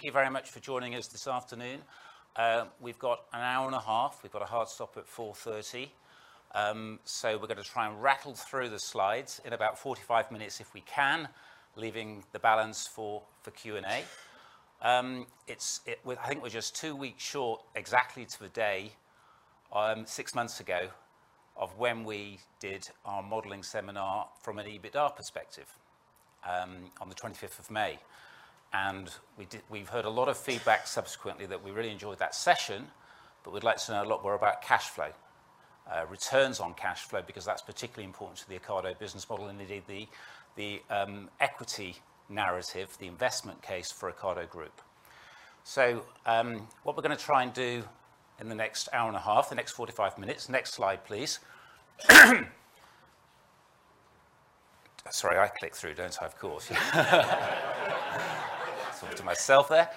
Thank you very much for joining us this afternoon. We've got an hour and a half. We've got a hard stop at 4:30 P.M. We're going to try and rattle through the slides in about 45 minutes if we can, leaving the balance for Q&A. I think we're just two weeks short exactly to the day, six months ago of when we did our modeling seminar from an EBITDA perspective, on the 20th of May. We've heard a lot of feedback subsequently that we really enjoyed that session, but we'd like to know a lot more about cash flow, returns on cash flow, because that's particularly important to the Ocado business model and indeed the equity narrative, the investment case for Ocado Group. What we're gonna try and do in the next hour and a half, the next 45 minutes. Next slide, please. Sorry, I click through, don't I? Of course. Talking to myself there.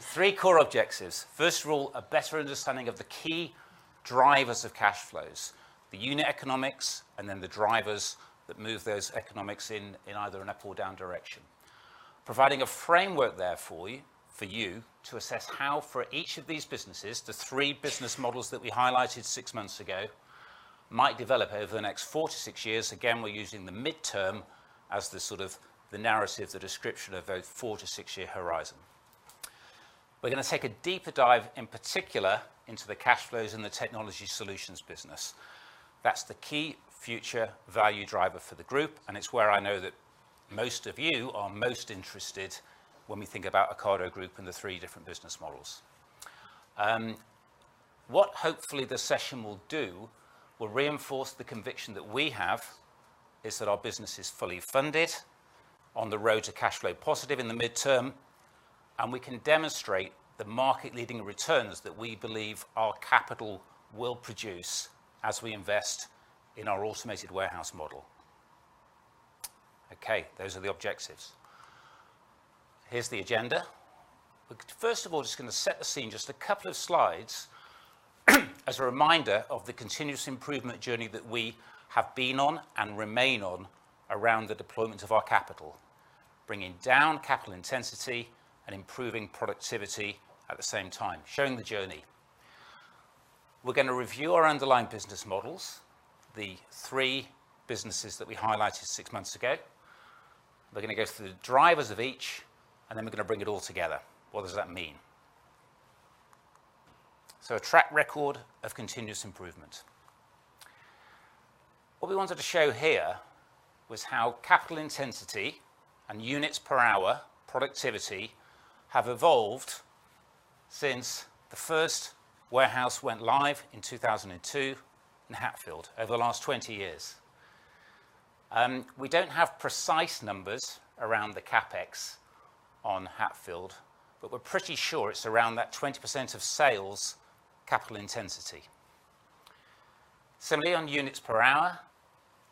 Three core objectives. First of all, a better understanding of the key drivers of cash flows, the unit economics, and then the drivers that move those economics in either an up or down direction. Providing a framework there for you to assess how for each of these businesses, the three business models that we highlighted six months ago might develop over the next four to six years. Again, we're using the midterm as the sort of the narrative, the description of those four to six-year horizon. We're gonna take a deeper dive, in particular, into the cash flows and the Technology Solutions business. That's the key future value driver for the group, and it's where I know that most of you are most interested when we think about Ocado Group and the three different business models. What hopefully the session will do will reinforce the conviction that we have is that our business is fully funded on the road to cash flow positive in the midterm, and we can demonstrate the market-leading returns that we believe our capital will produce as we invest in our automated warehouse model. Okay, those are the objectives. Here's the agenda. We're first of all just gonna set the scene, just a couple of slides as a reminder of the continuous improvement journey that we have been on and remain on around the deployment of our capital, bringing down capital intensity and improving productivity at the same time, showing the journey. We're gonna review our underlying business models, the three businesses that we highlighted six months ago. We're gonna go through the drivers of each, we're gonna bring it all together. What does that mean? A track record of continuous improvement. What we wanted to show here was how capital intensity and units per hour productivity have evolved since the first warehouse went live in 2002 in Hatfield over the last 20 years. We don't have precise numbers around the CapEx on Hatfield, but we're pretty sure it's around that 20% of sales capital intensity. Similarly, on units per hour,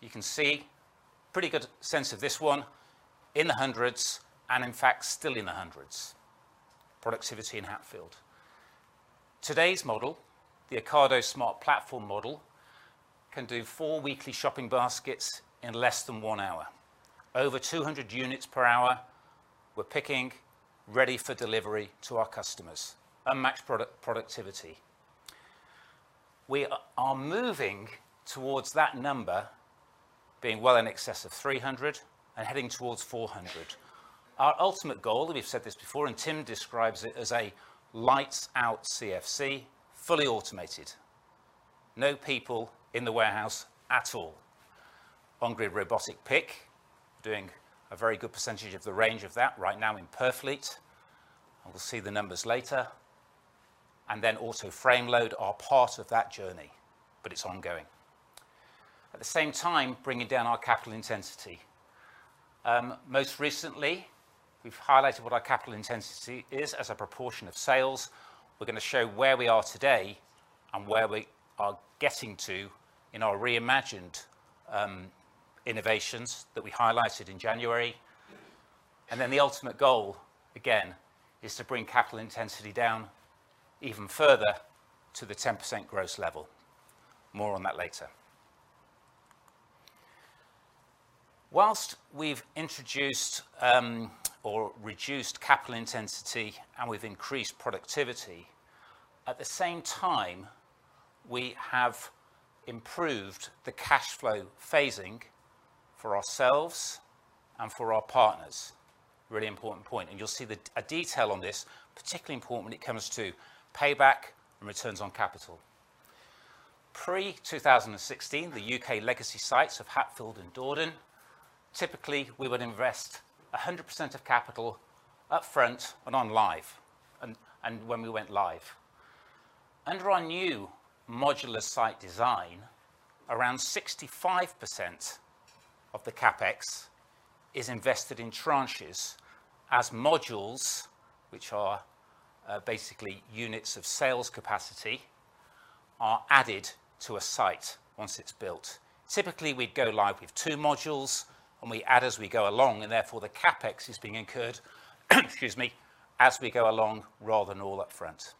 you can see pretty good sense of this 1 in the hundreds and in fact still in the hundreds. Productivity in Hatfield. Today's model, the Ocado Smart Platform model, can do four weekly shopping baskets in less than one hour. Over 200 units per hour, we're picking, ready for delivery to our customers. Unmatched product, productivity. We are moving towards that number being well in excess of 300 and heading towards 400. Our ultimate goal, we've said this before, Tim describes it as a lights out CFC, fully automated. No people in the warehouse at all. On-grid Robotic Pick doing a very good percentage of the range of that right now in Purfleet. We'll see the numbers later. Then Auto Frame-Load are part of that journey, but it's ongoing. At the same time, bringing down our capital intensity. Most recently, we've highlighted what our capital intensity is as a proportion of sales. We're gonna show where we are today and where we are getting to in our Re:Imagined innovations that we highlighted in January. The ultimate goal, again, is to bring capital intensity down even further to the 10% gross level. More on that later. We've introduced, or reduced capital intensity and we've increased productivity, at the same time we have improved the cash flow phasing for ourselves and for our partners. Really important point, and you'll see the, a detail on this, particularly important when it comes to payback and returns on capital. Pre-2016, the U.K. legacy sites of Hatfield and Dordon, typically, we would invest 100% of capital upfront and when we went live. Under our new modular site design, around 65% of the CapEx is invested in tranches as modules, which are basically units of sales capacity, are added to a site once it's built. Typically, we'd go live with two modules, we add as we go along, therefore, the CapEx is being incurred, excuse me, as we go along rather than all up front.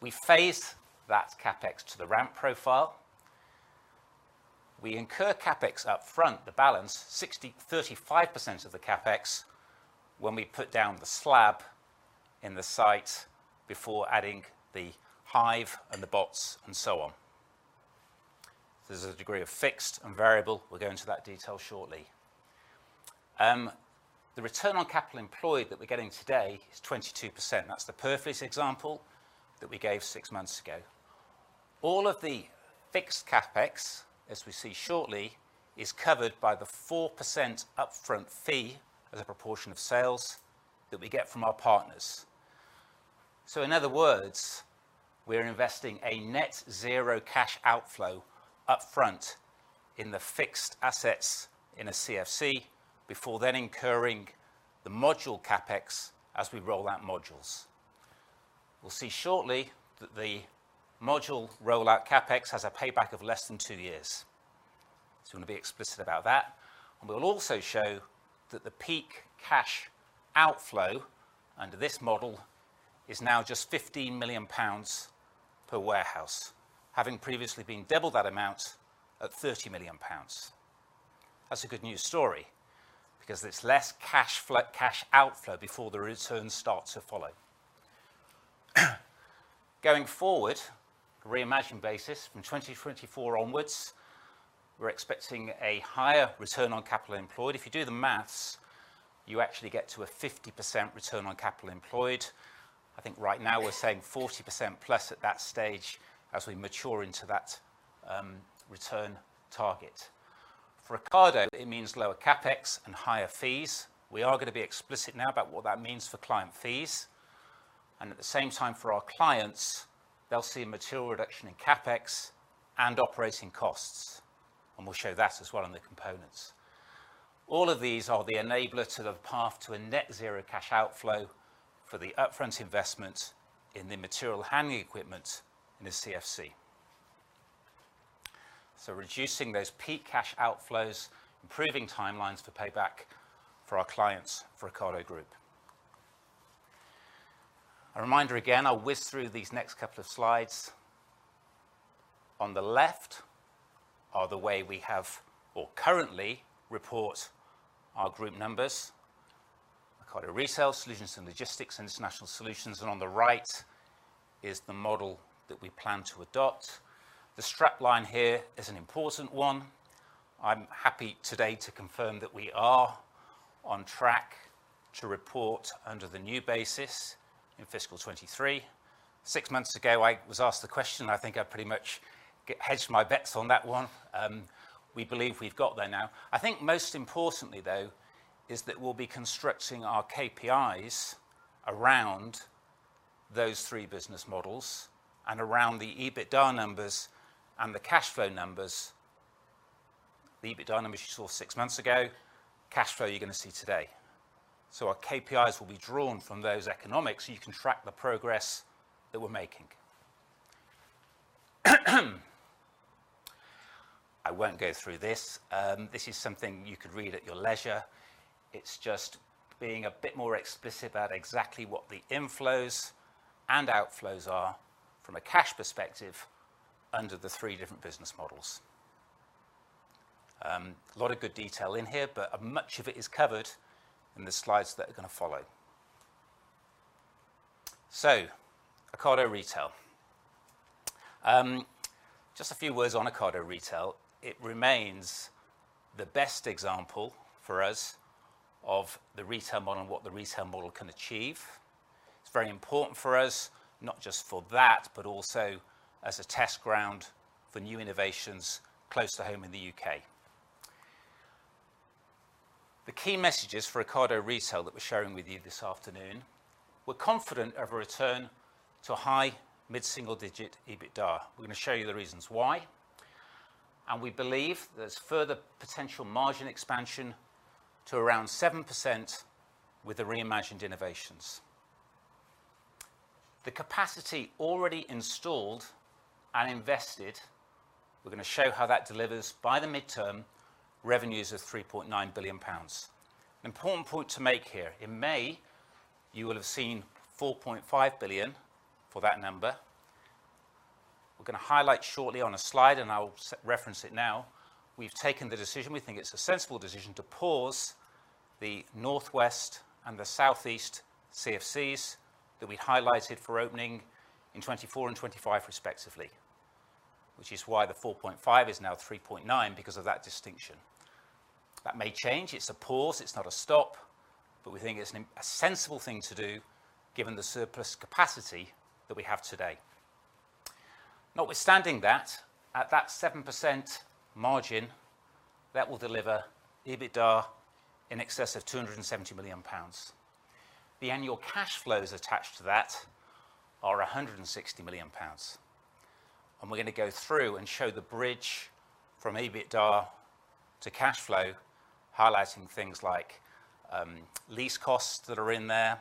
We phase that CapEx to the ramp profile. We incur CapEx up front, the balance, 35% of the CapEx when we put down the slab in the site before adding the hive and the bots and so on. There's a degree of fixed and variable. We'll go into that detail shortly. The return on capital employed that we're getting today is 22%. That's the perfect example that we gave six months ago. All of the fixed CapEx, as we see shortly, is covered by the 4% upfront fee as a proportion of sales that we get from our partners. In other words, we're investing a net zero cash outflow upfront in the fixed assets in a CFC before then incurring the module CapEx as we roll out modules. We'll see shortly that the module rollout CapEx has a payback of less than two years. Just want to be explicit about that. We'll also show that the peak cash outflow under this model is now just 15 million pounds per warehouse, having previously been double that amount at 30 million pounds. That's a good news story because there's less cash outflow before the returns start to follow. Going forward, reimagined basis from 2024 onwards, we're expecting a higher return on capital employed. If you do the math, you actually get to a 50% return on capital employed. I think right now we're saying 40% plus at that stage as we mature into that return target. For Ocado, it means lower CapEx and higher fees. We are going to be explicit now about what that means for client fees. At the same time for our clients, they'll see a material reduction in CapEx and operating costs, and we'll show that as well in the components. All of these are the enabler to the path to a net zero cash outflow for the upfront investment in the material handling equipment in the CFC. Reducing those peak cash outflows, improving timelines for payback for our clients for Ocado Group. A reminder again, I'll whiz through these next couple of slides. On the left are the way we have or currently report our group numbers. Ocado Retail, Solutions and Logistics, and International Solutions. On the right is the model that we plan to adopt. The strapline here is an important one. I'm happy today to confirm that we are on track to report under the new basis in fiscal 2023. Six months ago, I was asked the question. I think I pretty much hedged my bets on that one. We believe we've got there now. I think most importantly, though, is that we'll be constructing our KPIs around those three business models and around the EBITDA numbers and the cash flow numbers. The EBITDA numbers you saw six months ago, cash flow, you're going to see today. Our KPIs will be drawn from those economics, so you can track the progress that we're making. I won't go through this. This is something you could read at your leisure. It's just being a bit more explicit about exactly what the inflows and outflows are from a cash perspective under the three different business models. A lot of good detail in here, but much of it is covered in the slides that are going to follow. Ocado Retail. Just a few words on Ocado Retail. It remains the best example for us of the retail model and what the retail model can achieve. It's very important for us, not just for that, but also as a test ground for new innovations close to home in the U.K. The key messages for Ocado Retail that we're sharing with you this afternoon, we're confident of a return to high mid-single digit EBITDA. We're going to show you the reasons why. We believe there's further potential margin expansion to around 7% with the reimagined innovations. The capacity already installed and invested, we're going to show how that delivers by the midterm revenues of 3.9 billion pounds. An important point to make here. In May, you will have seen 4.5 billion for that number. We're going to highlight shortly on a slide, and I will reference it now. We've taken the decision, we think it's a sensible decision to pause the Northwest and the Southeast CFCs that we highlighted for opening in 2024 and 2025 respectively. Which is why the 4.5 billion is now 3.9 billion because of that distinction. That may change. It's a pause, it's not a stop, but we think it's a sensible thing to do given the surplus capacity that we have today. Notwithstanding that, at that 7% margin, that will deliver EBITDA in excess of 270 million pounds. The annual cash flows attached to that are 160 million pounds. We're going to go through and show the bridge from EBITDA to cash flow, highlighting things like lease costs that are in there,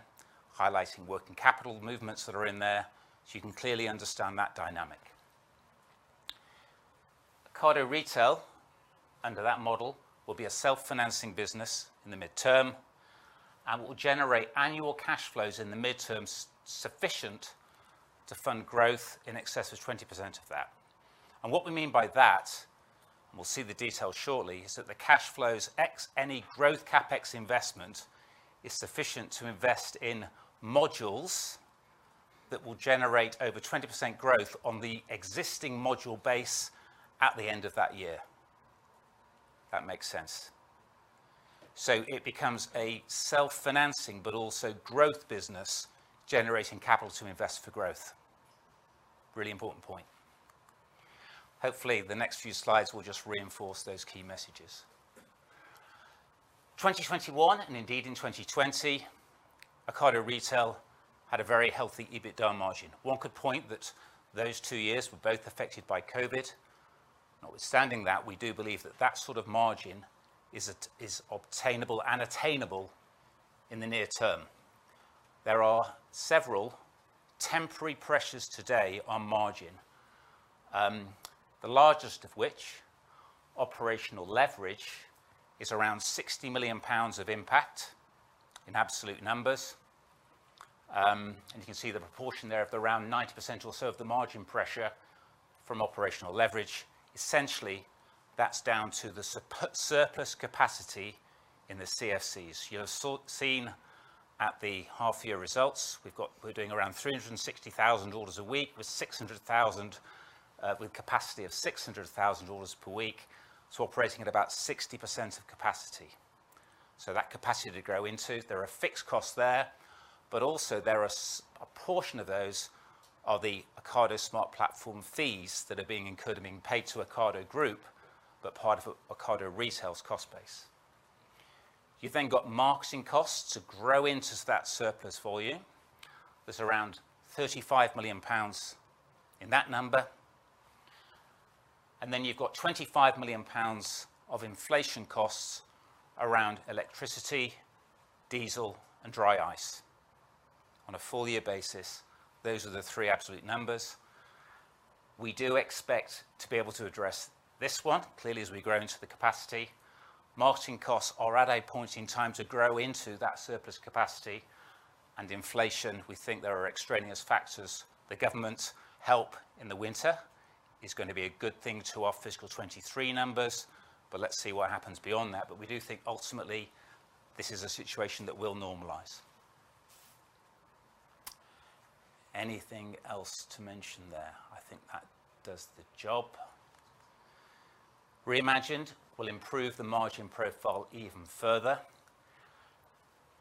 highlighting working capital movements that are in there, so you can clearly understand that dynamic. Ocado Retail, under that model, will be a self-financing business in the midterm and will generate annual cash flows in the midterm sufficient to fund growth in excess of 20% of that. What we mean by that, and we'll see the details shortly, is that the cash flows ex any growth CapEx investment is sufficient to invest in modules that will generate over 20% growth on the existing module base at the end of that year. That makes sense. It becomes a self-financing but also growth business generating capital to invest for growth. Really important point. Hopefully, the next few slides will just reinforce those key messages. 2021, and indeed in 2020, Ocado Retail had a very healthy EBITDA margin. One could point that those two years were both affected by COVID. Notwithstanding that, we do believe that that sort of margin is obtainable and attainable in the near term. There are several temporary pressures today on margin, the largest of which, operational leverage, is around 60 million pounds of impact in absolute numbers. You can see the proportion there of around 90% or so of the margin pressure from operational leverage. Essentially, that's down to the surplus capacity in the CFCs. You have so-seen at the half-year results, we're doing around 360,000 orders a week with 600,000, with capacity of 600,000 orders per week. Operating at about 60% of capacity. That capacity to grow into, there are fixed costs there, but also there are a portion of those are the Ocado Smart Platform fees that are being incurred and being paid to Ocado Group, but part of Ocado Retail's cost base. You've then got marketing costs to grow into that surplus for you. There's around 35 million pounds in that number. You've got 25 million pounds of inflation costs around electricity, diesel, and dry ice. On a full year basis, those are the three absolute numbers. We do expect to be able to address this one clearly as we grow into the capacity. Marketing costs are at a point in time to grow into that surplus capacity. Inflation, we think there are extraneous factors. The government's help in the winter is going to be a good thing to our fiscal 2023 numbers, but let's see what happens beyond that. We do think ultimately this is a situation that will normalize. Anything else to mention there? I think that does the job. Re:Imagined will improve the margin profile even further.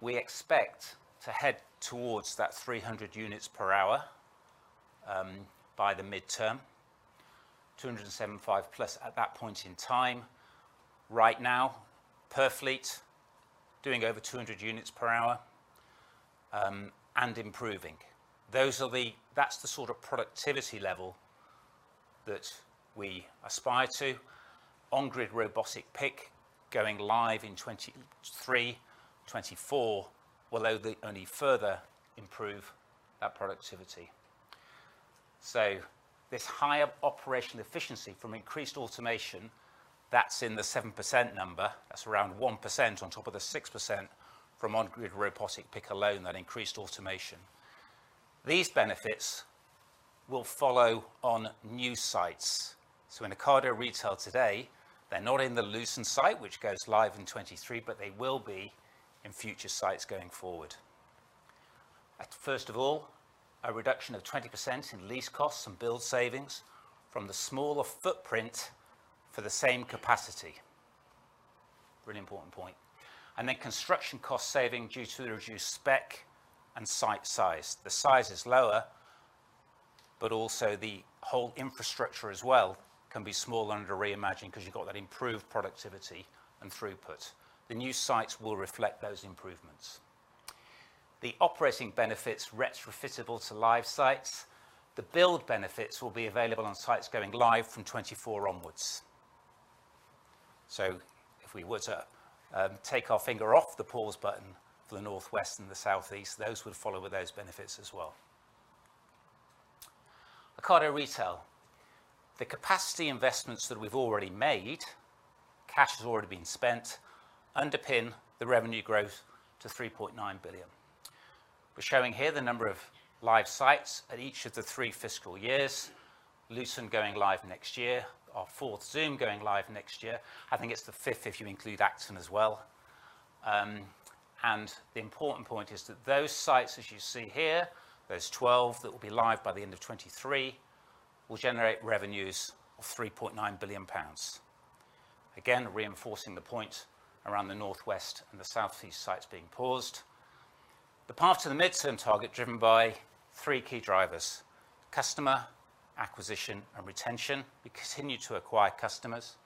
We expect to head towards that 300 units per hour by the midterm, 275+ units per hour at that point in time. Right now, Purfleet, doing over 200 units per hour and improving. That's the sort of productivity level that we aspire to. On-grid Robotic Pick going live in 2023, 2024 will only further improve that productivity. This higher operational efficiency from increased automation, that's in the 7% number. That's around 1% on top of the 6% from On-grid Robotic Pick alone, that increased automation. These benefits will follow on new sites. In Ocado Retail today, they're not in the Luton site, which goes live in 2023, but they will be in future sites going forward. At first of all, a reduction of 20% in lease costs and build savings from the smaller footprint for the same capacity. Really important point. Construction cost saving due to the reduced spec and site size. The size is lower, but also the whole infrastructure as well can be smaller under Re:Imagined 'cause you've got that improved productivity and throughput. The new sites will reflect those improvements. The operating benefits retrofittable to live sites. If we were to take our finger off the pause button for the Northwest and the Southeast, those would follow with those benefits as well. Ocado Retail. The capacity investments that we've already made, cash has already been spent, underpin the revenue growth to 3.9 billion. We're showing here the number of live sites at each of the three fiscal years. Luton going live next year. Our fourth, Zoom, going live next year. I think it's the fifth if you include Acton as well. The important point is that those sites, as you see here, those 12 that will be live by the end of 2023, will generate revenues of 3.9 billion pounds. Again, reinforcing the point around the Northwest and the Southeast sites being paused. The path to the midterm target driven by three key drivers: customer acquisition and retention. We continue to acquire customers.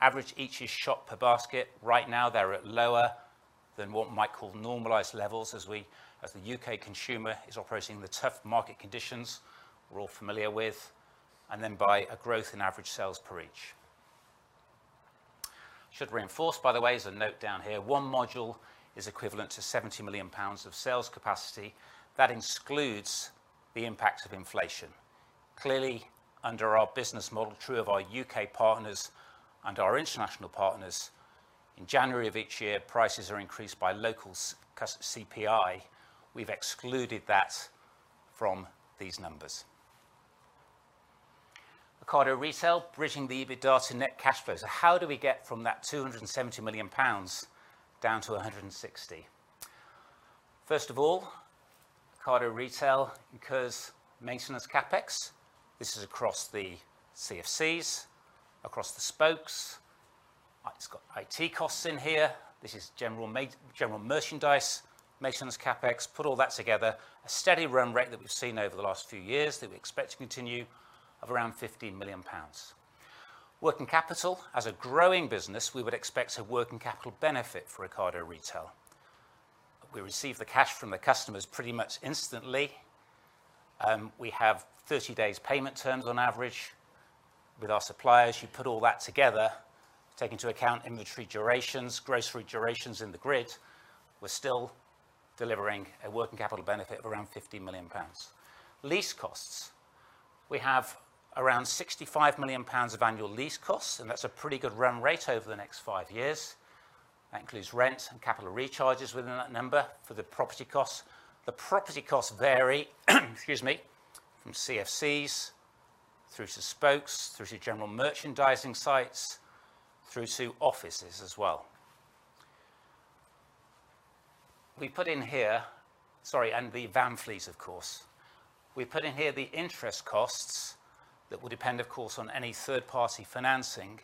Average each is shop per basket. Right now, they're at lower than what might call normalized levels as we, as the U.K. consumer is operating in the tough market conditions we're all familiar with, and then by a growth in average sales per each. Should reinforce, by the way, as a note down here, one module is equivalent to 70 million pounds of sales capacity. That excludes the impact of inflation. Clearly, under our business model, true of our U.K. partners and our international partners, in January of each year, prices are increased by local CPI. We've excluded that from these numbers. Ocado Retail, bridging the EBITDA to net cash flows. How do we get from that 270 million pounds down to 160 million? Ocado Retail incurs maintenance CapEx. This is across the CFCs, across the spokes. It's got IT costs in here. This is general merchandise, maintenance CapEx. Put all that together, a steady run rate that we've seen over the last few years that we expect to continue of around 15 million pounds. Working capital. As a growing business, we would expect a working capital benefit for Ocado Retail. We receive the cash from the customers pretty much instantly. We have 30 days payment terms on average with our suppliers. You put all that together, take into account inventory durations, grocery durations in the grid. We're still delivering a working capital benefit of around 15 million pounds. Lease costs. We have around 65 million pounds of annual lease costs, and that's a pretty good run rate over the next 5 years. That includes rent and capital recharges within that number for the property costs. The property costs vary, excuse me, from CFCs through to spokes, through to general merchandising sites, through to offices as well. We put in here the van fleet, of course. We put in here the interest costs that will depend, of course, on any third-party financing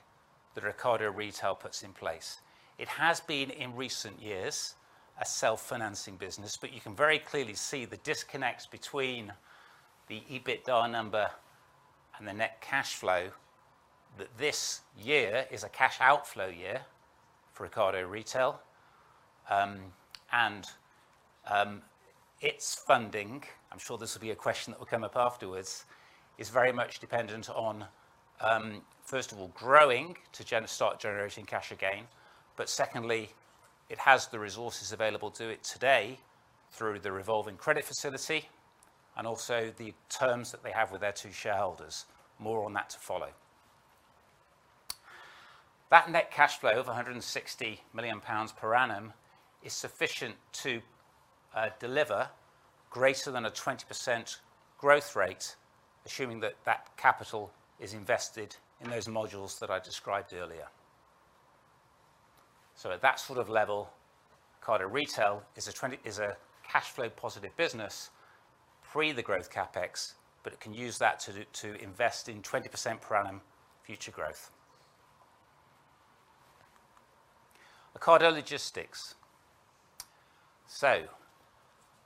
that Ocado Retail puts in place. It has been, in recent years, a self-financing business, but you can very clearly see the disconnect between the EBITDA number and the net cash flow that this year is a cash outflow year for Ocado Retail. Its funding, I'm sure this will be a question that will come up afterwards, is very much dependent on, first of all, growing to start generating cash again. Secondly, it has the resources available to it today through the revolving credit facility and also the terms that they have with their two shareholders. More on that to follow. That net cash flow of 160 million pounds per annum is sufficient to deliver greater than a 20% growth rate, assuming that that capital is invested in those modules that I described earlier. At that sort of level, Ocado Retail is a cash flow positive business, free the growth CapEx, but it can use that to invest in 20% per annum future growth. Ocado Logistics.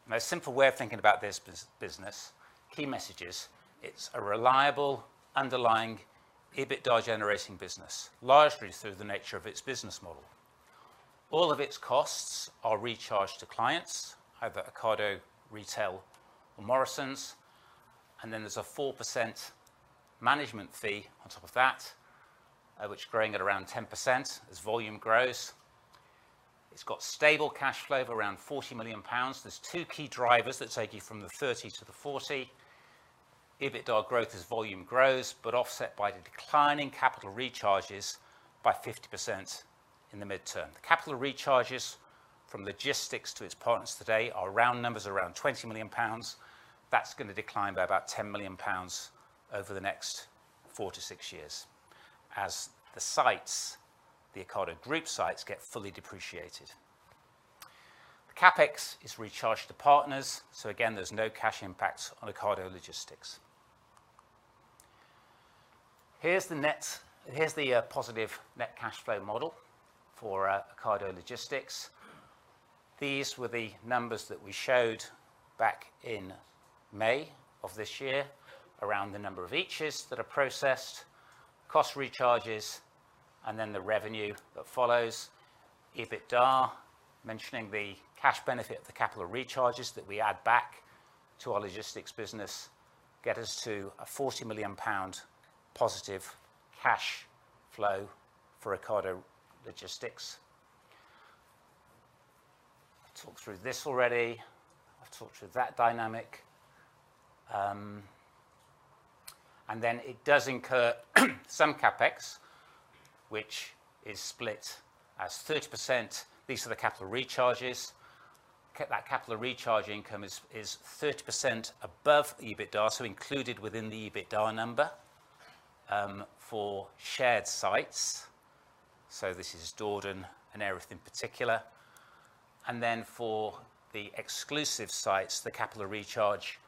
Most simple way of thinking about this business, key messages, it's a reliable underlying EBITDA-generating business, largely through the nature of its business model. All of its costs are recharged to clients, either Ocado Retail or Morrisons. Then there's a 4% management fee on top of that, which growing at around 10% as volume grows. It's got stable cash flow of around 40 million pounds. There's two key drivers that take you from the 30 million to the 40 million. EBITDA growth as volume grows, offset by the declining capital recharges by 50% in the midterm. The capital recharges from logistics to its partners today are round numbers around 20 million pounds. That's going to decline by about 10 million pounds over the next four to six years as the sites, the Ocado Group sites, get fully depreciated. The CapEx is recharged to partners, again, there's no cash impact on Ocado Logistics. Here's the positive net cash flow model for Ocado Logistics. These were the numbers that we showed back in May of this year around the number of each that are processed, cost recharges, then the revenue that follows. EBITDA, mentioning the cash benefit of the capital recharges that we add back to our logistics business get us to a 40 million pound positive cash flow for Ocado Logistics. Talked through this already. I've talked through that dynamic. Then it does incur some CapEx, which is split as 30%. These are the capital recharges. That capital recharge income is 30% above the EBITDA, included within the EBITDA number for shared sites. This is Dordon and Erith in particular. Then for the exclusive sites, the capital recharge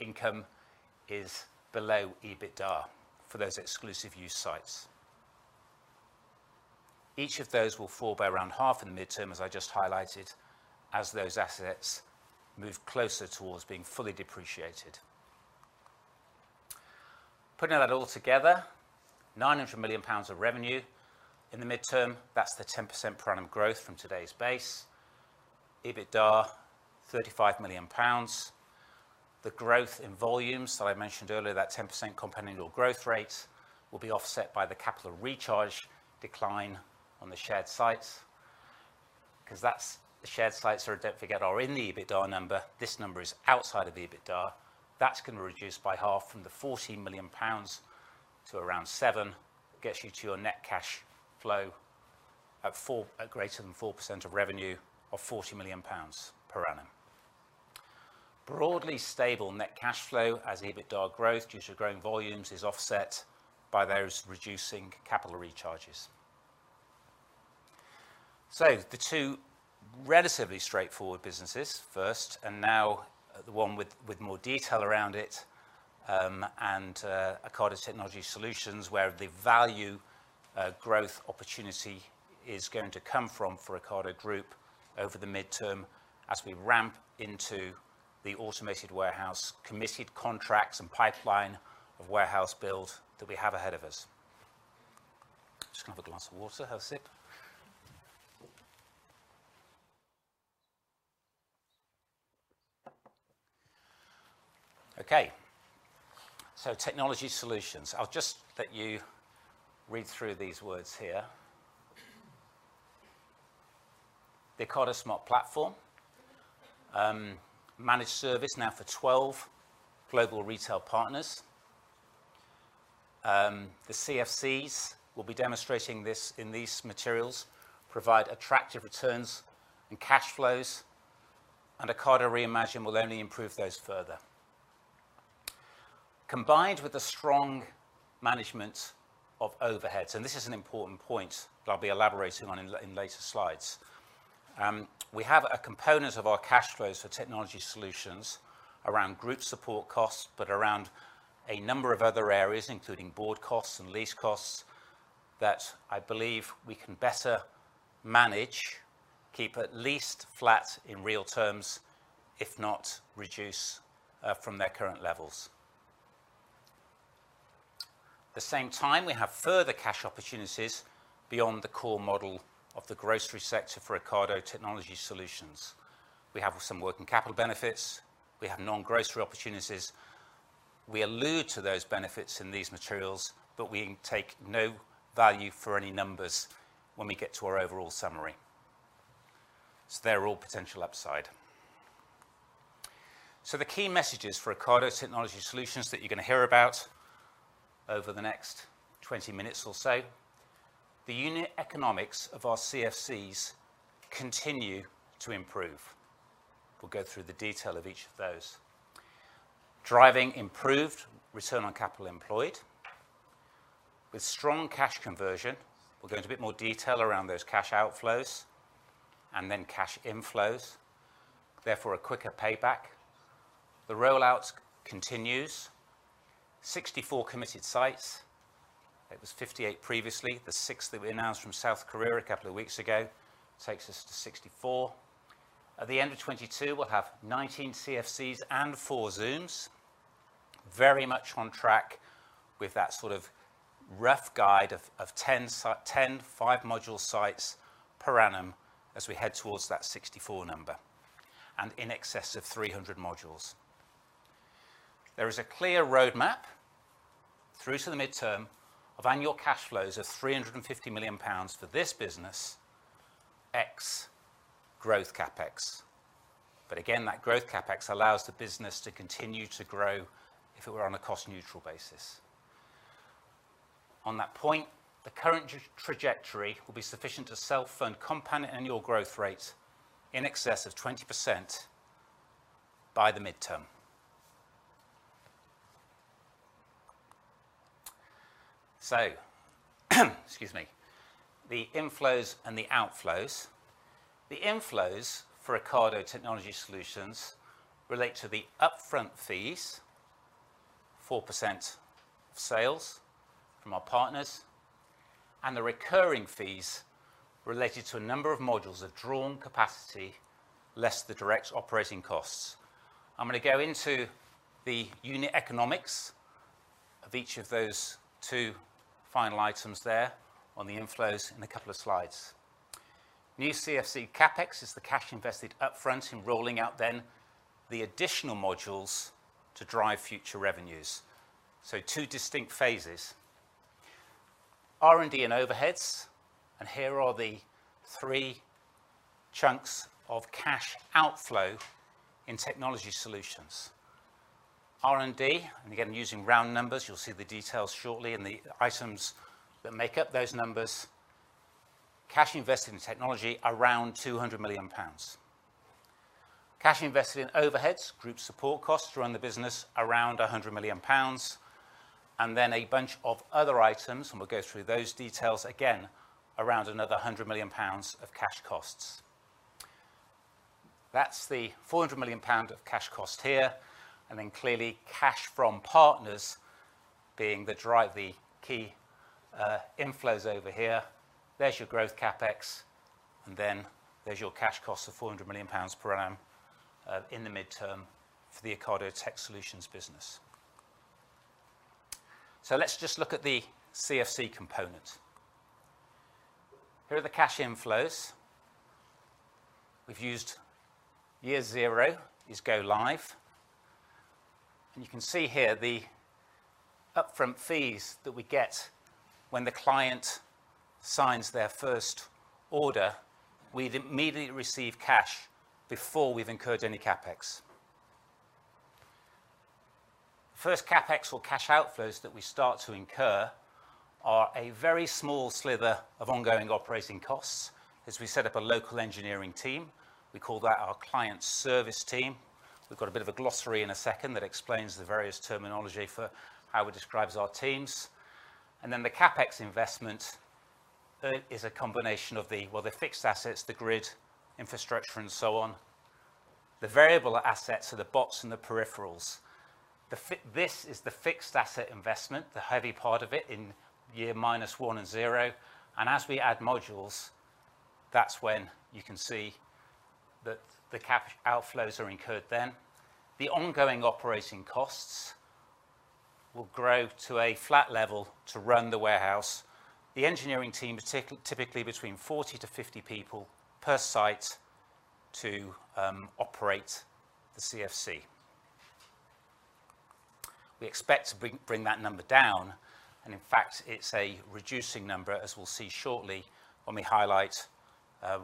income is below EBITDA for those exclusive use sites. Each of those will fall by around half in the midterm, as I just highlighted, as those assets move closer towards being fully depreciated. Putting that all together, 900 million pounds of revenue in the midterm. That's the 10% per annum growth from today's base. EBITDA, 35 million pounds. The growth in volumes that I mentioned earlier, that 10% compounding or growth rate, will be offset by the capital recharge decline on the shared sites. That's the shared sites, sort of don't forget, are in the EBITDA number. This number is outside of EBITDA. That's going to reduce by half from the 40 million pounds to around 7 million. Gets you to your net cash flow at greater than 4% of revenue of 40 million pounds per annum. Broadly stable net cash flow as EBITDA growth due to growing volumes is offset by those reducing capital recharges. The two relatively straightforward businesses first, and now the one with more detail around it, Ocado Technology Solutions, where the value growth opportunity is going to come from for Ocado Group over the midterm as we ramp into the automated warehouse committed contracts and pipeline of warehouse build that we have ahead of us. Just going to have a glass of water, have a sip. Okay. Technology Solutions. I'll just let you read through these words here. The Ocado Smart Platform managed service now for 12 global retail partners. The CFCs, we'll be demonstrating this in these materials, provide attractive returns and cash flows, and Ocado Re:Imagined will only improve those further. Combined with the strong management of overheads, and this is an important point that I'll be elaborating on in later slides. We have a component of our cash flows for Ocado Technology Solutions around group support costs, but around a number of other areas, including board costs and lease costs, that I believe we can better manage, keep at least flat in real terms, if not reduce, from their current levels. At the same time, we have further cash opportunities beyond the core model of the grocery sector for Ocado Technology Solutions. We have some working capital benefits. We have non-grocery opportunities. We allude to those benefits in these materials, but we take no value for any numbers when we get to our overall summary. They're all potential upside. The key messages for Ocado Technology Solutions that you're going to hear about over the next 20 minutes or so, the unit economics of our CFCs continue to improve. We'll go through the detail of each of those. Driving improved return on capital employed. With strong cash conversion, we'll go into a bit more detail around those cash outflows and then cash inflows, therefore, a quicker payback. The rollout continues. 64 committed sites. It was 58 previously. The 6 that we announced from South Korea a couple of weeks ago takes us to 64. At the end of 2022, we'll have 19 CFCs and four Zoomes. Very much on track with that sort of rough guide of 10 five-module sites per annum as we head towards that 64 number and in excess of 300 modules. There is a clear roadmap through to the midterm of annual cash flows of 350 million pounds for this business, ex growth CapEx. Again, that growth CapEx allows the business to continue to grow if it were on a cost-neutral basis. On that point, the current trajectory will be sufficient to self-fund compound annual growth rates in excess of 20% by the midterm. Excuse me, the inflows and the outflows. The inflows for Ocado Technology Solutions relate to the upfront fees, 4% of sales from our partners, and the recurring fees related to a number of modules of drawn capacity, less the direct operating costs. I'm going to go into the unit economics of each of those two final items there on the inflows in a couple of slides. New CFC CapEx is the cash invested up front in rolling out then the additional modules to drive future revenues. Two distinct phases. R&D and overheads, here are the three chunks of cash outflow in technology solutions. R&D, again, using round numbers, you'll see the details shortly in the items that make up those numbers. Cash invested in technology, around 200 million pounds. Cash invested in overheads, group support costs to run the business, around 100 million pounds. Then a bunch of other items, and we'll go through those details again, around another 100 million pounds of cash costs. That's the 400 million pound of cash cost here, and then clearly cash from partners being the drive, the key inflows over here. There's your growth CapEx, and then there's your cash costs of 400 million pounds per annum, in the midterm for the Ocado Technology Solutions business. Let's just look at the CFC component. Here are the cash inflows. We've used year zero is go live. You can see here the upfront fees that we get when the client signs their first order, we immediately receive cash before we've incurred any CapEx. First CapEx or cash outflows that we start to incur are a very small sliver of ongoing operating costs as we set up a local engineering team. We call that our client service team. We've got a bit of a glossary in a second that explains the various terminology for how it describes our teams. Then the CapEx investment, is a combination of the, well, the fixed assets, the grid infrastructure, and so on. The variable assets are the bots and the peripherals. This is the fixed asset investment, the heavy part of it in year -1 and zero. As we add modules, that's when you can see that the CapEx outflows are incurred then. The ongoing operating costs will grow to a flat level to run the warehouse. The engineering team, typically between 40 to 50 people per site to operate the CFC. We expect to bring that number down, and in fact, it's a reducing number, as we'll see shortly when we highlight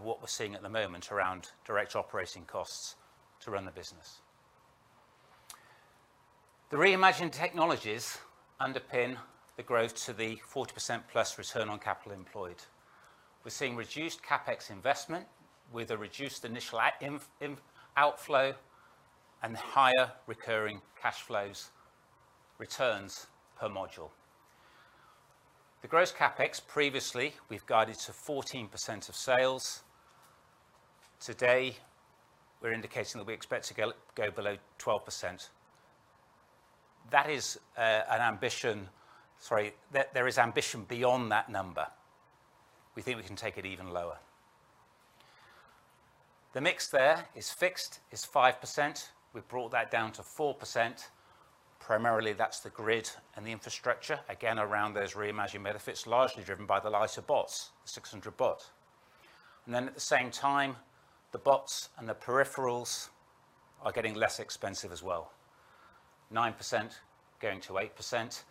what we're seeing at the moment around direct operating costs to run the business. The Re:Imagined technologies underpin the growth to the 40%+ return on capital employed. We're seeing reduced CapEx investment with a reduced initial outflow and higher recurring cash flows, returns per module. The gross CapEx previously, we've guided to 14% of sales. Today, we're indicating that we expect to go below 12%. That is an ambition... Sorry. There is ambition beyond that number. We think we can take it even lower. The mix there is fixed, is 5%. We've brought that down to 4%. Primarily, that's the grid and the infrastructure, again, around those Re:Imagined benefits, largely driven by the lighter bots, the 600 Series bot. At the same time, the bots and the peripherals are getting less expensive as well. 9% going to 8%.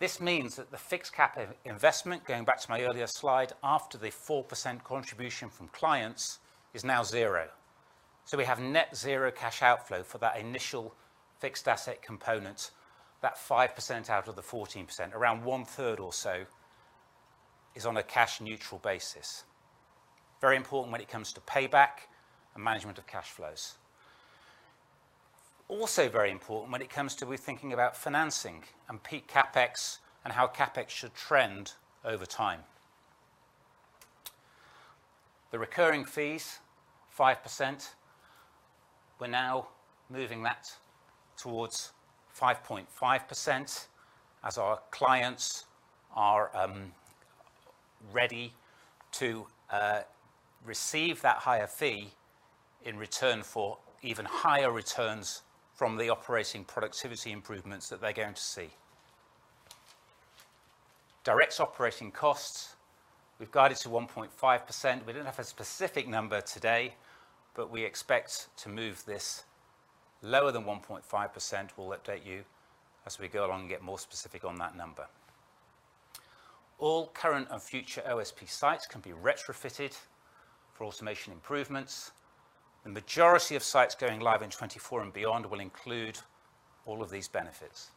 This means that the fixed CapEx investment, going back to my earlier slide, after the 4% contribution from clients, is now zero. We have net zero cash outflow for that initial fixed asset component. That 5% out of the 14%, around 1/3 or so, is on a cash neutral basis. Very important when it comes to payback and management of cash flows. Very important when it comes to we're thinking about financing and peak CapEx and how CapEx should trend over time. The recurring fees, 5%, we're now moving that towards 5.5% as our clients are ready to receive that higher fee in return for even higher returns from the operating productivity improvements that they're going to see. Direct operating costs, we've guided to 1.5%. We don't have a specific number today, we expect to move this lower than 1.5%. We'll update you as we go along and get more specific on that number. All current and future OSP sites can be retrofitted for automation improvements. The majority of sites going live in 2024 and beyond will include all of these benefits.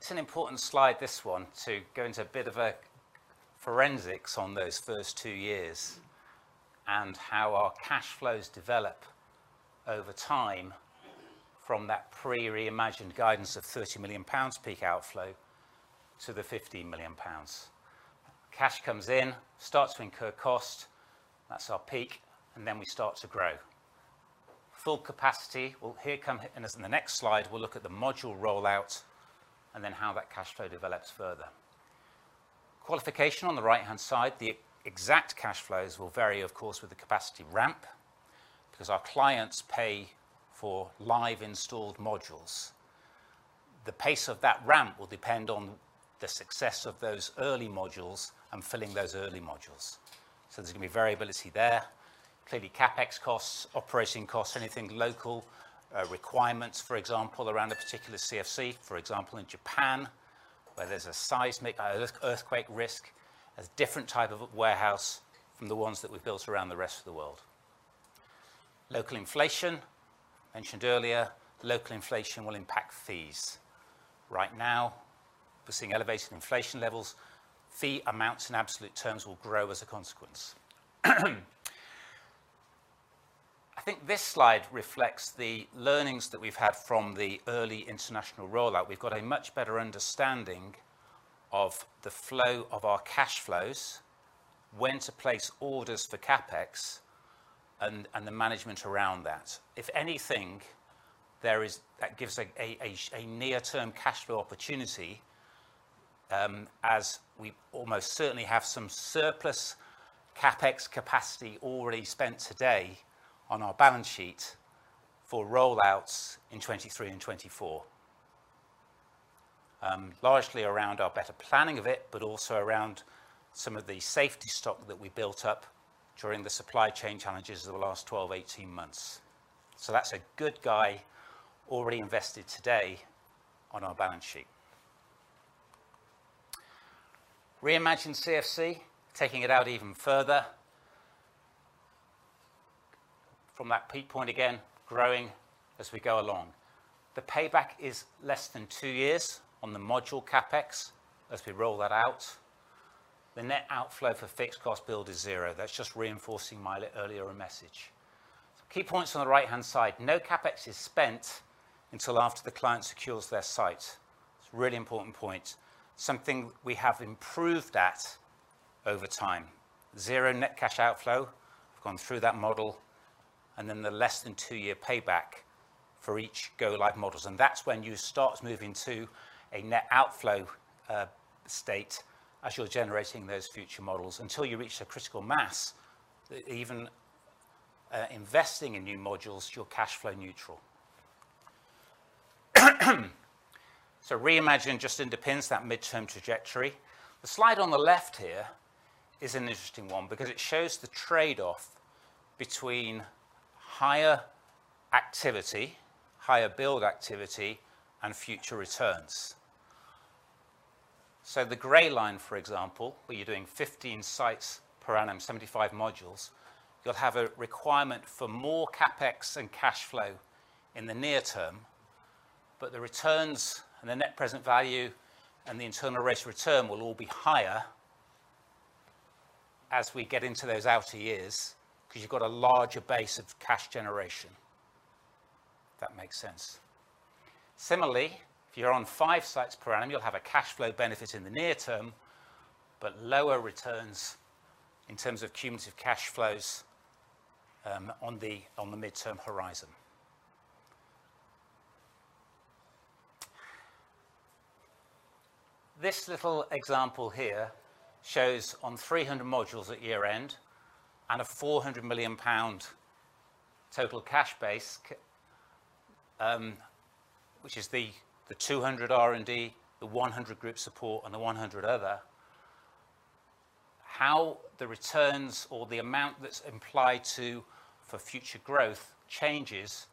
It's an important slide, this one, to go into a bit of a forensics on those first two years and how our cash flows develop over time from that pre-Re:Imagined guidance of 30 million pounds peak outflow to the 15 million pounds. Cash comes in, starts to incur cost, that's our peak, and then we start to grow. Full capacity will here come, and as in the next slide, we'll look at the module rollout and then how that cash flow develops further. Qualification on the right-hand side, the exact cash flows will vary, of course, with the capacity ramp because our clients pay for live installed modules. The pace of that ramp will depend on the success of those early modules and filling those early modules. There's gonna be variability there. Clearly, CapEx costs, operating costs, anything local, requirements, for example, around a particular CFC, for example, in Japan, where there's a seismic, earthquake risk, has different type of warehouse from the ones that we've built around the rest of the world. Local inflation, mentioned earlier, local inflation will impact fees. Right now, we're seeing elevated inflation levels. Fee amounts in absolute terms will grow as a consequence. I think this slide reflects the learnings that we've had from the early international rollout. We've got a much better understanding of the flow of our cash flows, when to place orders for CapEx, and the management around that. If anything, that gives a near-term cash flow opportunity as we almost certainly have some surplus CapEx capacity already spent today on our balance sheet for rollouts in 2023 and 2024. Largely around our better planning of it, but also around some of the safety stock that we built up during the supply chain challenges of the last 12, 18 months. That's a good guy already invested today on our balance sheet. Re:Imagined CFC, taking it out even further. From that peak point again, growing as we go along. The payback is less than two years on the module CapEx as we roll that out. The net outflow for fixed cost build is zero. That's just reinforcing my earlier message. Key points on the right-hand side. No CapEx is spent until after the client secures their site. It's a really important point, something we have improved at over time. Zero net cash outflow. We've gone through that model, the less than two-year payback for each go live models. That's when you start moving to a net outflow state as you're generating those future models. Until you reach the critical mass, even, investing in new modules, you're cash flow neutral. Reimagining just independence, that midterm trajectory. The slide on the left here is an interesting one because it shows the trade-off between higher activity, higher build activity, and future returns. The gray line, for example, where you're doing 15 sites per annum, 75 modules, you'll have a requirement for more CapEx and cash flow in the near term. The returns and the net present value and the internal rate of return will all be higher as we get into those outer years because you've got a larger base of cash generation. If that makes sense. Similarly, if you're on five sites per annum, you'll have a cash flow benefit in the near term, but lower returns in terms of cumulative cash flows on the midterm horizon. This little example here shows on 300 modules at year-end and a 400 million pound total cash base, which is the 200 R&D, the 100 group support, and the 100 other, how the returns or the amount that's implied to for future growth changes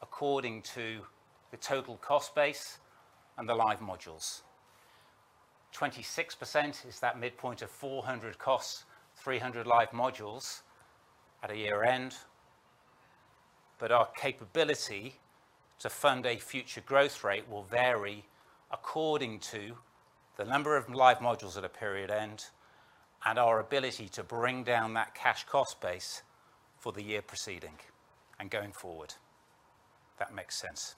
according to the total cost base and the live modules. 26% is that midpoint of 400 costs, 300 live modules at a year-end. Our capability to fund a future growth rate will vary according to the number of live modules at a period end and our ability to bring down that cash cost base for the year preceding and going forward. If that makes sense.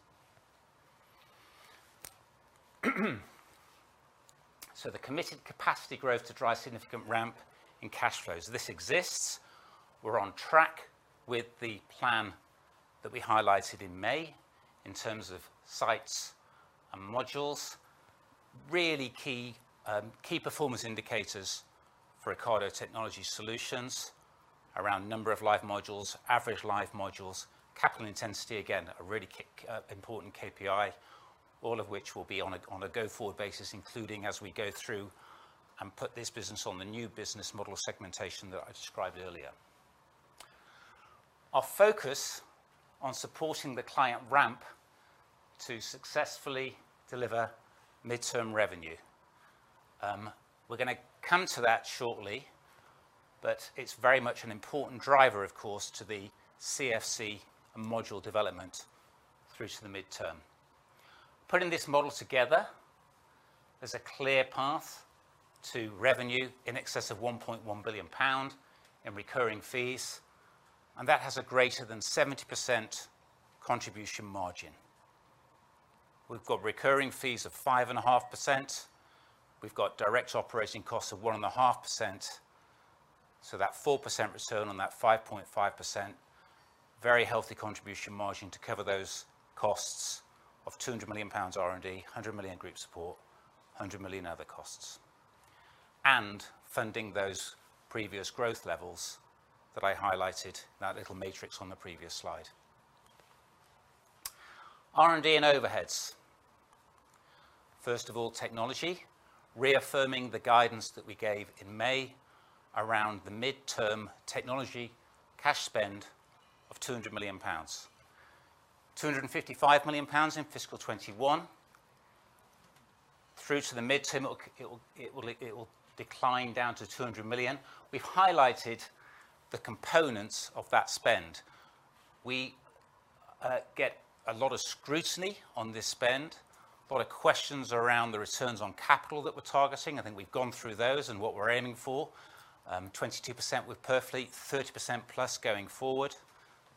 The committed capacity growth to drive significant ramp in cash flows. This exists. We're on track with the plan that we highlighted in May in terms of sites and modules. Really Key Performance Indicators for Ocado Technology Solutions around number of live modules, average live modules. Capital intensity, again, a really important KPI, all of which will be on a go-forward basis, including as we go through and put this business on the new business model segmentation that I described earlier. Our focus on supporting the client ramp to successfully deliver midterm revenue. We're gonna come to that shortly, but it's very much an important driver, of course, to the CFC and module development through to the midterm. Putting this model together, there's a clear path to revenue in excess of 1.1 billion pound in recurring fees. That has a greater than 70% contribution margin. We've got recurring fees of 5.5%. We've got direct operating costs of 1.5%. That 4% return on that 5.5%, very healthy contribution margin to cover those costs of 200 million pounds R&D, 100 million group support, 100 million other costs, funding those previous growth levels that I highlighted in that little matrix on the previous slide. R&D and overheads. First of all, technology, reaffirming the guidance that we gave in May around the midterm technology cash spend of 200 million pounds. 255 million pounds in fiscal 2021. Through to the midterm, it'll decline down to 200 million. We've highlighted the components of that spend. We get a lot of scrutiny on this spend. A lot of questions around the returns on capital that we're targeting. I think we've gone through those and what we're aiming for. 22% with Perfleet, 30% plus going forward.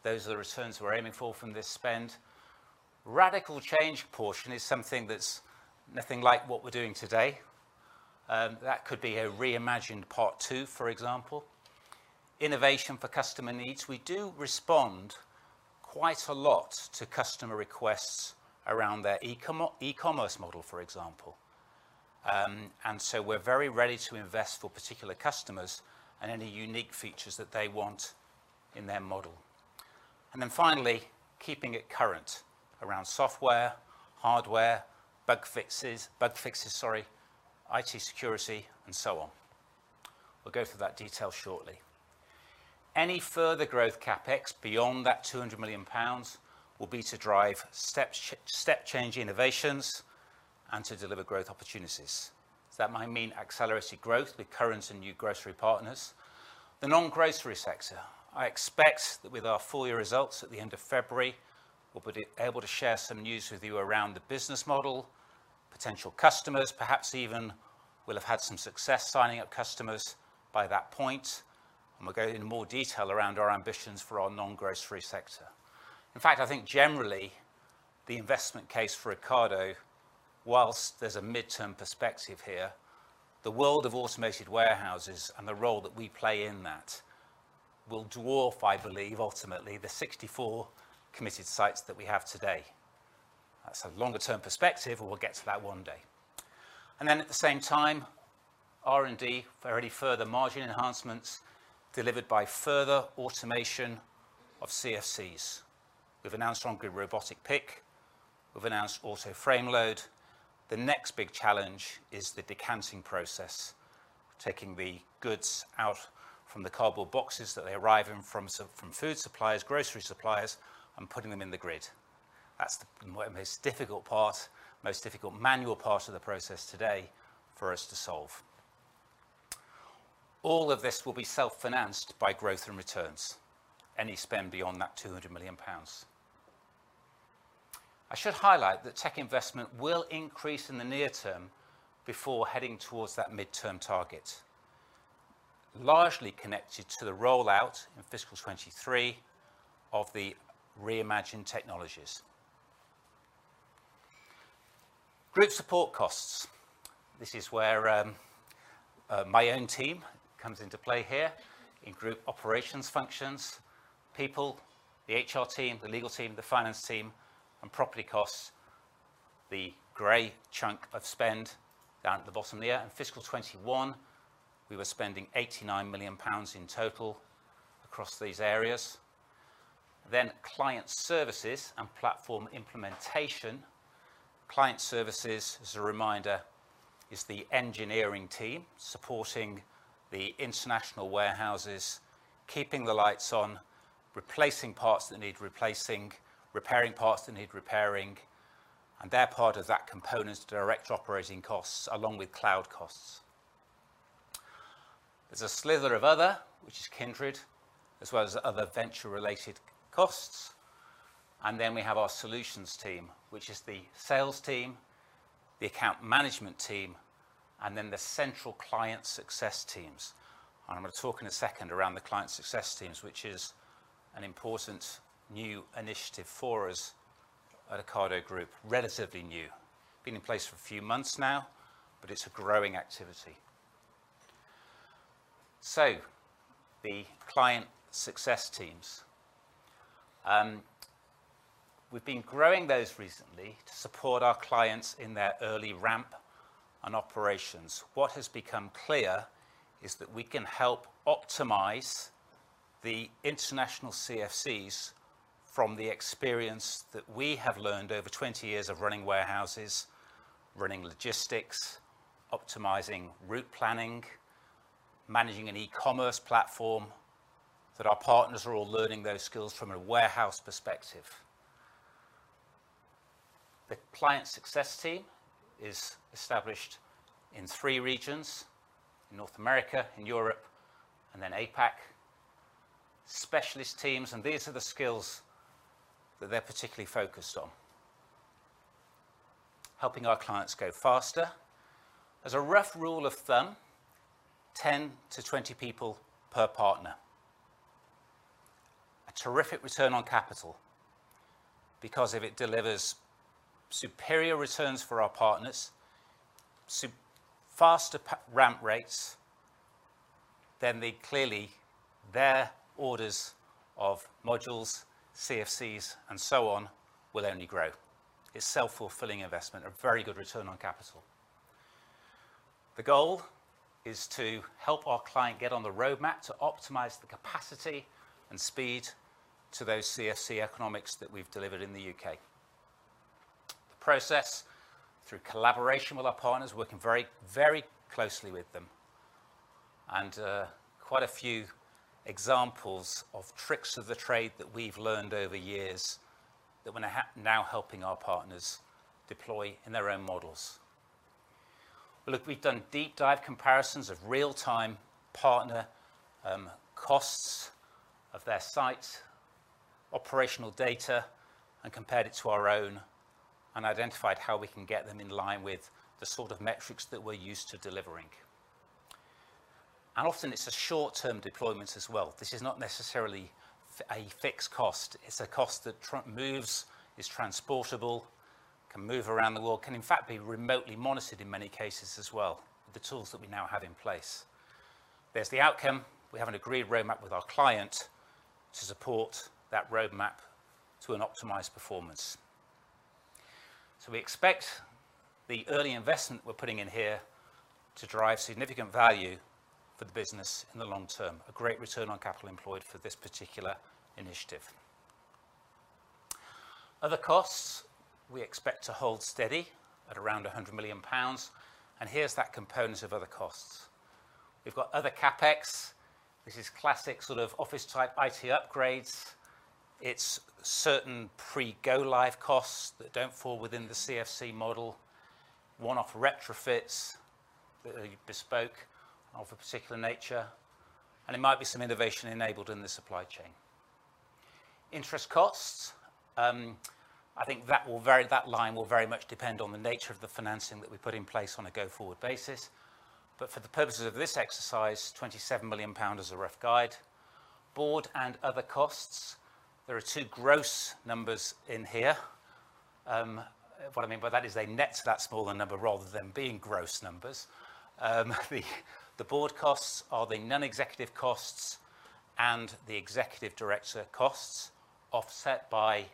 Those are the returns we're aiming for from this spend. Radical change portion is something that's nothing like what we're doing today. That could be a reimagined part two, for example. Innovation for customer needs. We do respond quite a lot to customer requests around their e-commerce model, for example. We're very ready to invest for particular customers and any unique features that they want in their model. Finally, keeping it current around software, hardware, bug fixes, sorry, IT security, and so on. We'll go through that detail shortly. Any further growth CapEx beyond that 200 million pounds will be to drive step change innovations and to deliver growth opportunities. That might mean accelerated growth with current and new grocery partners. The non-grocery sector, I expect that with our full year results at the end of February, we'll be able to share some news with you around the business model, potential customers, perhaps even we'll have had some success signing up customers by that point, and we'll go into more detail around our ambitions for our non-grocery sector. In fact, I think generally, the investment case for Ocado, whilst there's a midterm perspective here, the world of automated warehouses and the role that we play in that will dwarf, I believe, ultimately, the 64 committed sites that we have today. That's a longer-term perspective, and we'll get to that one day. At the same time, R&D for any further margin enhancements delivered by further automation of CFCs. We've announced On-grid Robotic Pick, we've announced Auto Frame-Load. The next big challenge is the decanting process, taking the goods out from the cardboard boxes that they arrive in from food suppliers, grocery suppliers, and putting them in the grid. That's the most difficult part, most difficult manual part of the process today for us to solve. All of this will be self-financed by growth and returns, any spend beyond that 200 million pounds. I should highlight that tech investment will increase in the near term before heading towards that midterm target, largely connected to the rollout in fiscal 2023 of the Re:Imagined technologies. Group support costs. This is where my own team comes into play here in group operations functions, people, the HR team, the legal team, the finance team, and property costs, the gray chunk of spend down at the bottom there. In fiscal 2021, we were spending 89 million pounds in total across these areas. Client services and platform implementation. Client services, as a reminder, is the engineering team supporting the international warehouses, keeping the lights on, replacing parts that need replacing, repairing parts that need repairing. They're part of that component's direct operating costs along with cloud costs. There's a slither of other, which is Kindred, as well as other venture-related costs. Then we have our solutions team, which is the sales team, the account management team, and then the central client success teams. I'm gonna talk in a second around the client success teams, which is an important new initiative for us at Ocado Group, relatively new. Been in place for a few months now, but it's a growing activity. The client success teams. We've been growing those recently to support our clients in their early ramp and operations. What has become clear is that we can help optimize the international CFCs from the experience that we have learned over 20 years of running warehouses, running logistics, optimizing route planning, managing an e-commerce platform that our partners are all learning those skills from a warehouse perspective. The client success team is established in three regions, in North America, in Europe, and then APAC. Specialist teams. These are the skills that they're particularly focused on. Helping our clients go faster. As a rough rule of thumb, 10 to 20 people per partner. A terrific return on capital because if it delivers superior returns for our partners, faster ramp rates, their orders of modules, CFCs, and so on will only grow. It's a self-fulfilling investment, a very good return on capital. The goal is to help our client get on the roadmap to optimize the capacity and speed to those CFC economics that we've delivered in the U.K.. The process through collaboration with our partners, working very, very closely with them, quite a few examples of tricks of the trade that we've learned over years that we're now helping our partners deploy in their own models. Look, we've done deep dive comparisons of real-time partner costs of their sites, operational data, and compared it to our own and identified how we can get them in line with the sort of metrics that we're used to delivering. Often it's a short-term deployment as well. This is not necessarily a fixed cost. It's a cost that moves, is transportable. Can move around the world, can in fact be remotely monitored in many cases as well, with the tools that we now have in place. There's the outcome. We have an agreed roadmap with our client to support that roadmap to an optimized performance. We expect the early investment we're putting in here to drive significant value for the business in the long term. A great return on capital employed for this particular initiative. Other costs, we expect to hold steady at around 100 million pounds. Here's that component of other costs. We've got other CapEx. This is classic sort of office type IT upgrades. It's certain pre-go live costs that don't fall within the CFC model. One-off retrofits that are bespoke of a particular nature, and it might be some innovation enabled in the supply chain. Interest costs, I think that will vary. That line will very much depend on the nature of the financing that we put in place on a go-forward basis. For the purposes of this exercise, 27 million pound as a rough guide. Board and other costs, there are two gross numbers in here. What I mean by that is they net to that smaller number rather than being gross numbers. The, the board costs are the non-executive costs and the executive director costs, offset by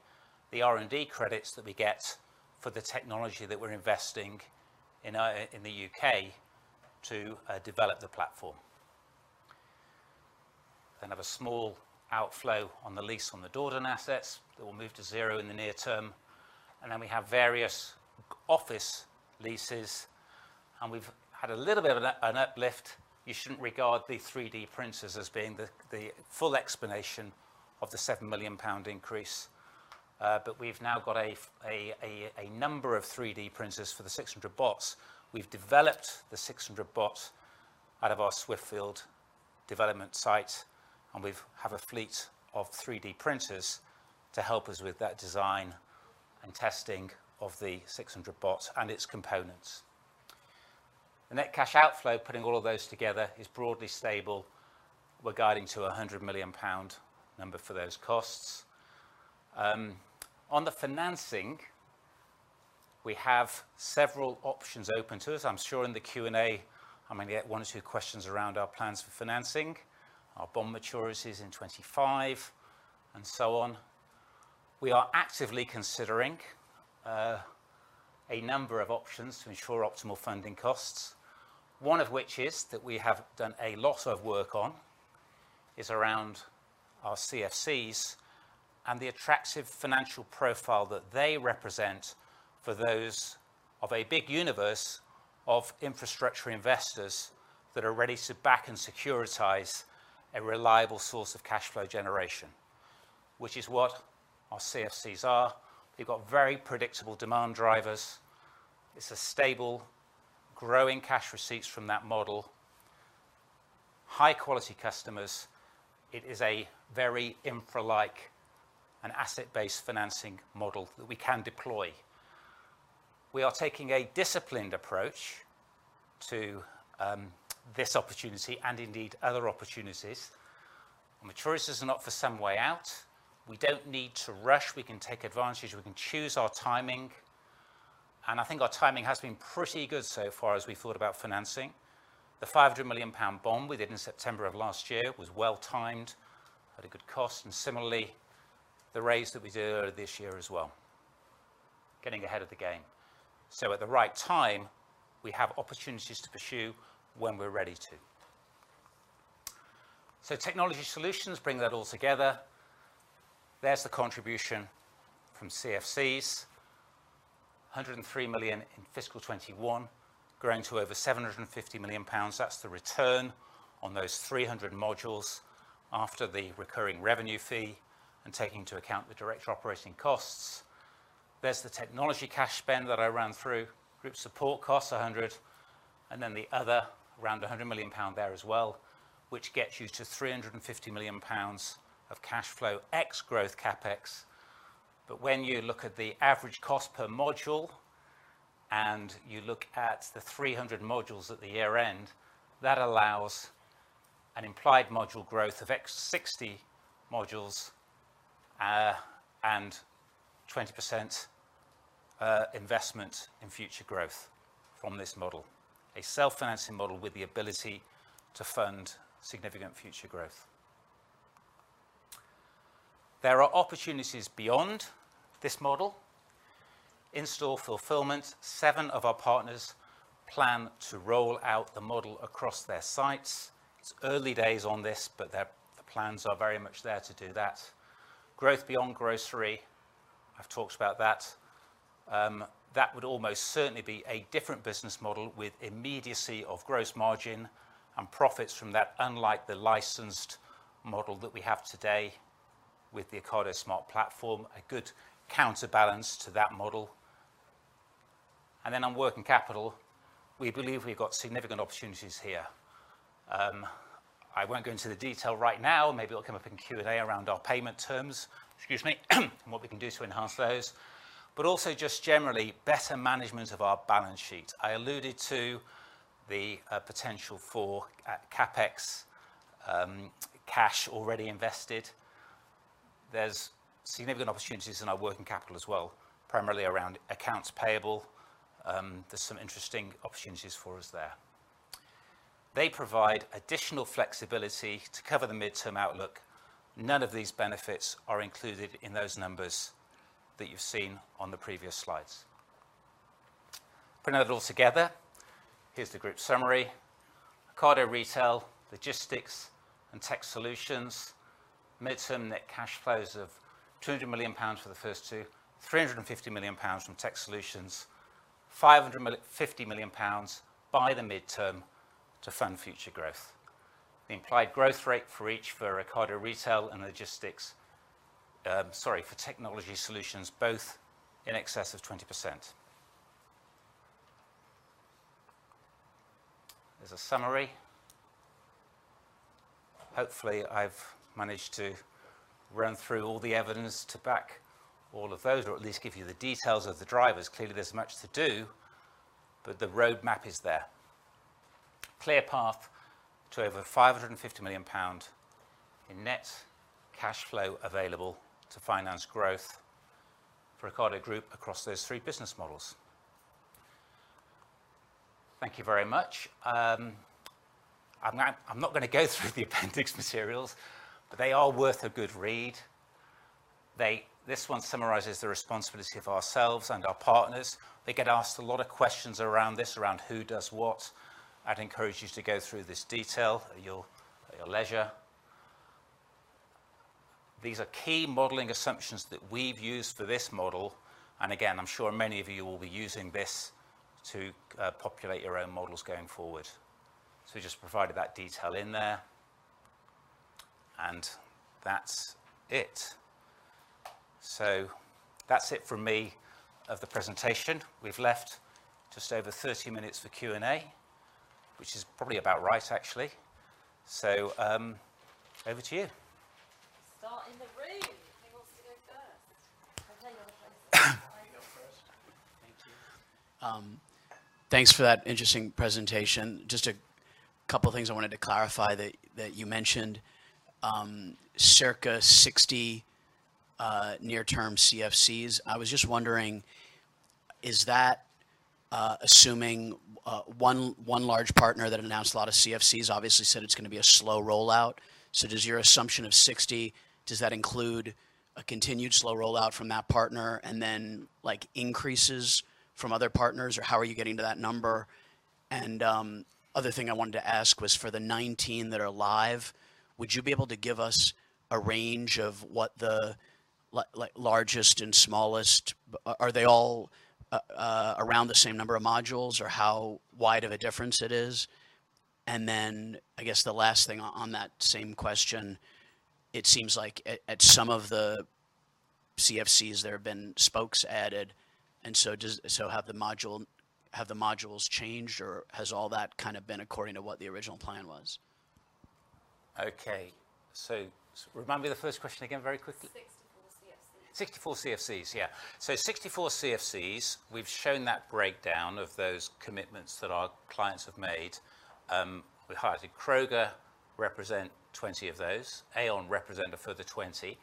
the R&D credits that we get for the technology that we're investing in the U.K. to develop the platform. Have a small outflow on the lease on the Dordon assets that will move to zero in the near term. We have various office leases, and we've had a little bit of an uplift. You shouldn't regard the 3D printers as being the full explanation of the 7 million pound increase. We've now got a number of 3D printers for the 600 Bots. We've developed the 600 Bot out of our Swiftfield development site, and we've have a fleet of 3D printers to help us with that design and testing of the 600 Bots and its components. The net cash outflow, putting all of those together, is broadly stable. We're guiding to a 100 million pound number for those costs. On the financing, we have several options open to us. I'm sure in the Q&A, I'm gonna get one or two questions around our plans for financing. Our bond maturities in 2025 and so on. We are actively considering a number of options to ensure optimal funding costs. One of which is, that we have done a lot of work on, is around our CFCs and the attractive financial profile that they represent for those of a big universe of infrastructure investors that are ready to back and securitize a reliable source of cash flow generation, which is what our CFCs are. They've got very predictable demand drivers. It's a stable, growing cash receipts from that model. High-quality customers. It is a very infra-like and asset-based financing model that we can deploy. We are taking a disciplined approach to this opportunity and indeed other opportunities. Maturities are not for some way out. We don't need to rush. We can take advantage. We can choose our timing, and I think our timing has been pretty good so far as we thought about financing. The 500 million pound bond we did in September of last year was well timed, at a good cost, and similarly, the raise that we did earlier this year as well, getting ahead of the game. At the right time, we have opportunities to pursue when we're ready to. Technology solutions bring that all together. There's the contribution from CFCs, 103 million in fiscal 2021, growing to over 750 million pounds. That's the return on those 300 modules after the recurring revenue fee and taking into account the director operating costs. There's the technology cash spend that I ran through, group support costs, 100, and then the other around 100 million pound there as well, which gets you to 350 million pounds of cash flow ex-growth CapEx. When you look at the average cost per module, and you look at the 300 modules at the year-end, that allows an implied module growth of ex-60 modules, and 20% investment in future growth from this model. A self-financing model with the ability to fund significant future growth. There are opportunities beyond this model. In-store fulfillment, seve of our partners plan to roll out the model across their sites. It's early days on this, but the plans are very much there to do that. Growth beyond grocery, I've talked about that. That would almost certainly be a different business model with immediacy of gross margin and profits from that, unlike the licensed model that we have today with the Ocado Smart Platform, a good counterbalance to that model. On working capital, we believe we've got significant opportunities here. I won't go into the detail right now. Maybe it'll come up in Q&A around our payment terms. Excuse me. What we can do to enhance those. Also just generally, better management of our balance sheet. I alluded to the potential for CapEx, cash already invested. There's significant opportunities in our working capital as well, primarily around accounts payable. There's some interesting opportunities for us there. They provide additional flexibility to cover the midterm outlook. None of these benefits are included in those numbers that you've seen on the previous slides. Putting that all together, here's the group summary. Ocado Retail, Logistics, and Tech Solutions, midterm net cash flows of 200 million pounds for the first two, 350 million pounds from Tech Solutions, 50 million pounds by the midterm to fund future growth. The implied growth rate for each for Ocado Retail and Logistics, sorry, for Technology Solutions, both in excess of 20%. There's a summary. Hopefully, I've managed to run through all the evidence to back all of those, or at least give you the details of the drivers. Clearly, there's much to do, but the roadmap is there. Clear path to over 550 million pound in net cash flow available to finance growth for Ocado Group across those three business models. Thank you very much. I'm not gonna go through the appendix materials, but they are worth a good read. This one summarizes the responsibility of ourselves and our partners. They get asked a lot of questions around this, around who does what. I'd encourage you to go through this detail at your, at your leisure. These are key modeling assumptions that we've used for this model, and again, I'm sure many of you will be using this to populate your own models going forward. We just provided that detail in there. That's it. That's it from me of the presentation. We've left just over 30 minutes for Q&A, which is probably about right, actually. Over to you. Start in the room. Who wants to go first? I'll take it. All right. You're first. Thank you. Thanks for that interesting presentation. Just a couple things I wanted to clarify that you mentioned. Circa 60 near-term CFCs. I was just wondering, is that assuming one large partner that announced a lot of CFCs obviously said it's gonna be a slow rollout. Does your assumption of 60 include a continued slow rollout from that partner and then, like, increases from other partners? Or how are you getting to that number? Other thing I wanted to ask was for the 19 that are live, would you be able to give us a range of what the largest and smallest... Are they all around the same number of modules or how wide of a difference it is? I guess the last thing on that same question, it seems like at some of the CFCs, there have been spokes added so have the modules changed or has all that kind of been according to what the original plan was? Okay. Remind me the first question again very quickly. 64 CFCs. 64 CFCs. 64 CFCs, we've shown that breakdown of those commitments that our clients have made. We highlighted Kroger represent 20 of those. Aeon represent a further 20.